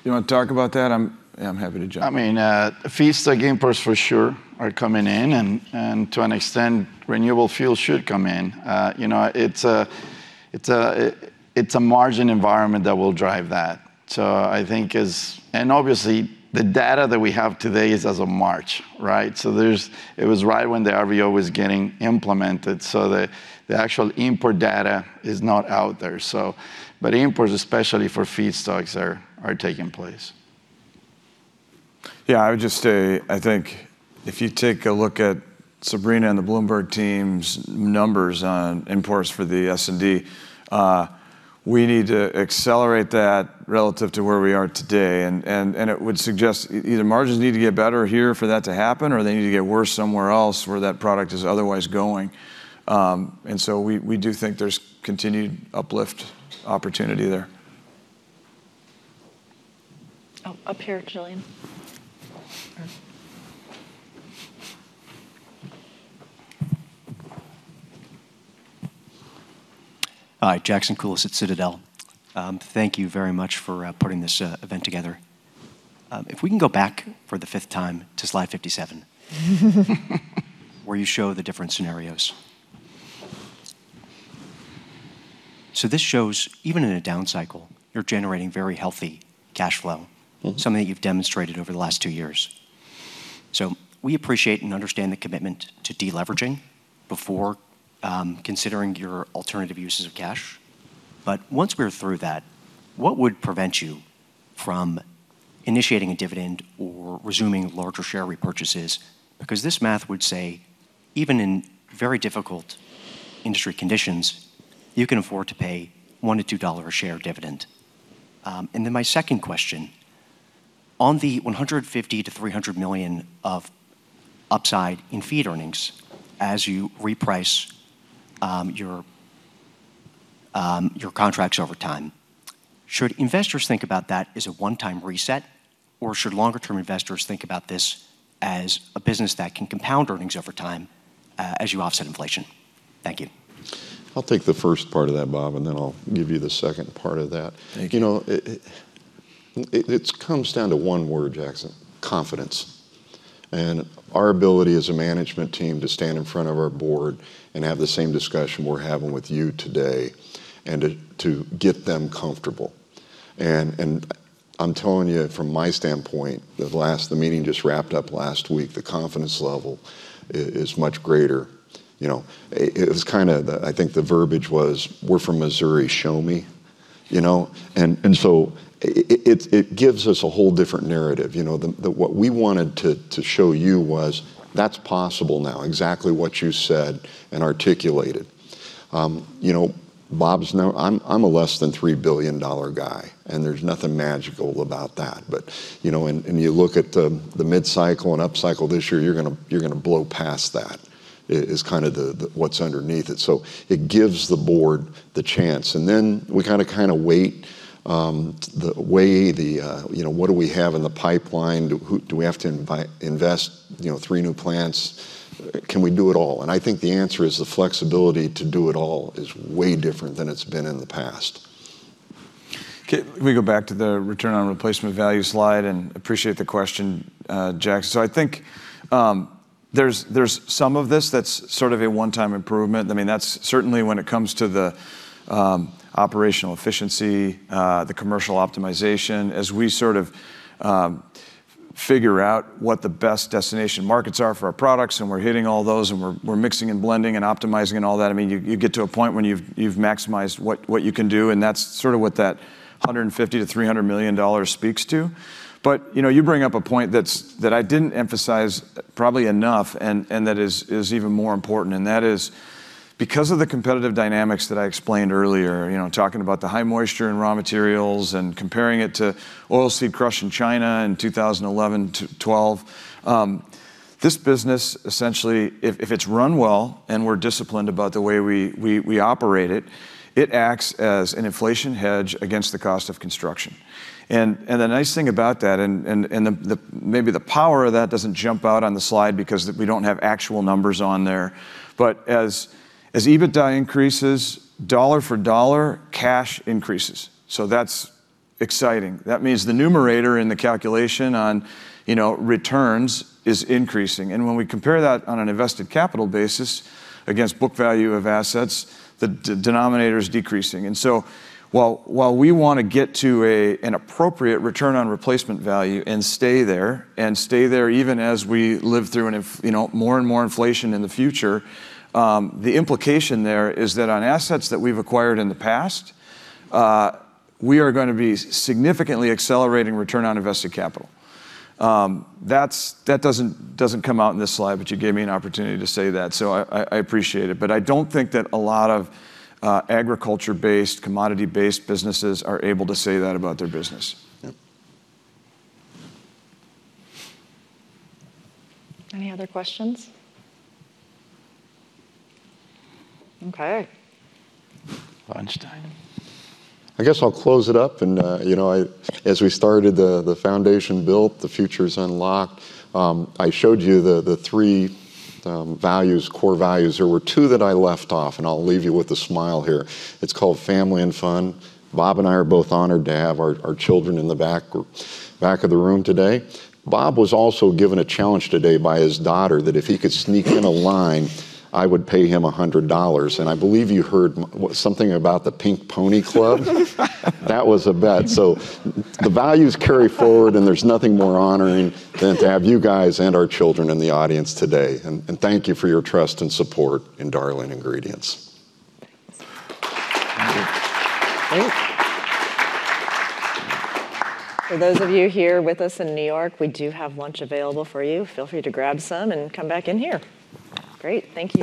You wanna talk about that? I'm, yeah, I'm happy to jump in. I mean, feedstocks imports for sure are coming in, and to an extent, renewable fuels should come in. You know, it's a margin environment that will drive that. Obviously, the data that we have today is as of March, right? It was right when the RVO was getting implemented, so the actual import data is not out there. Imports, especially for feedstocks are taking place. Yeah, I would just say, I think if you take a look at Sabrina and the Bloomberg team's numbers on imports for the S&P, we need to accelerate that relative to where we are today. It would suggest either margins need to get better here for that to happen, or they need to get worse somewhere else where that product is otherwise going. We do think there's continued uplift opportunity there. Oh, up here, Jillian. Okay. Hi, Jackson Coulis at Citadel. Thank you very much for putting this event together. If we can go back for the fifth time to slide 57 where you show the different scenarios. This shows even in a down cycle, you're generating very healthy cash flow. Something that you've demonstrated over the last two years. We appreciate and understand the commitment to deleveraging before considering your alternative uses of cash. Once we're through that, what would prevent you from initiating a dividend or resuming larger share repurchases? This math would say, even in very difficult industry conditions, you can afford to pay $1-$2 a share dividend. My second question: On the $150 million to $300 million of upside in feed earnings as you reprice your contracts over time, should investors think about that as a one-time reset, or should longer term investors think about this as a business that can compound earnings over time as you offset inflation? Thank you. I'll take the first part of that, Bob, and then I'll give you the second part of that. Thank you. It comes down to one word, Jackson, confidence. Our ability as a management team to stand in front of our board and have the same discussion we're having with you today, and to get them comfortable. I'm telling you from my standpoint, the meeting just wrapped up last week, the confidence level is much greater. You know, it was kind of, I think the verbiage was, "We're from Missouri, show me." So it gives us a whole different narrative. You know, what we wanted to show you was that's possible now, exactly what you said and articulated. You know, Bob's now I'm a less than $3 billion guy, and there's nothing magical about that. you know, and you look at the mid-cycle and upcycle this year, you're gonna, you're gonna blow past that, is kind of what's underneath it. It gives the board the chance. we kind of wait, weigh the, you know, what do we have in the pipeline? Do we have to invest, you know, three new plants? Can we do it all? I think the answer is the flexibility to do it all is way different than it's been in the past. Can we go back to the return on replacement value slide? Appreciate the question, Jackson. I think there's some of this that's sort of a one-time improvement. I mean, that's certainly when it comes to the operational efficiency, the commercial optimization. As we sort of figure out what the best destination markets are for our products, and we're hitting all those, and we're mixing and blending and optimizing and all that, I mean, you get to a point when you've maximized what you can do, and that's sort of what that $150 million-$300 million speaks to. You know, you bring up a point that I didn't emphasize probably enough and that is even more important, and that is because of the competitive dynamics that I explained earlier, you know, talking about the high moisture in raw materials and comparing it to oilseed crush in China in 2011 to 2012, this business essentially if it's run well and we're disciplined about the way we operate it acts as an inflation hedge against the cost of construction. The nice thing about that, and the maybe the power of that doesn't jump out on the slide because we don't have actual numbers on there, but as EBITDA increases, dollar for dollar cash increases. That's exciting. That means the numerator in the calculation on, you know, returns is increasing. When we compare that on an invested capital basis against book value of assets, the denominator is decreasing. While we wanna get to an appropriate return on replacement value and stay there, and stay there even as we live through you know, more and more inflation in the future, the implication there is that on assets that we've acquired in the past, we are gonna be significantly accelerating return on invested capital. That's, that doesn't come out in this slide, but you gave me an opportunity to say that, so I appreciate it. I don't think that a lot of agriculture-based, commodity-based businesses are able to say that about their business. Yeah. Any other questions? Okay. I guess I'll close it up and, you know, As we started the foundation built, the future's unlocked, I showed you the three values, core values. There were two that I left off, and I'll leave you with a smile here. It's called family and fun. Bob and I are both honored to have our children in the back of the room today. Bob was also given a challenge today by his daughter that if he could sneak in a line, I would pay him $100. I believe you heard something about the Pink Pony Club. That was a bet. The values carry forward, and there's nothing more honoring than to have you guys and our children in the audience today. Thank you for your trust and support in Darling Ingredients. Thanks. Thank you. For those of you here with us in New York, we do have lunch available for you. Feel free to grab some and come back in here. Great. Thank you.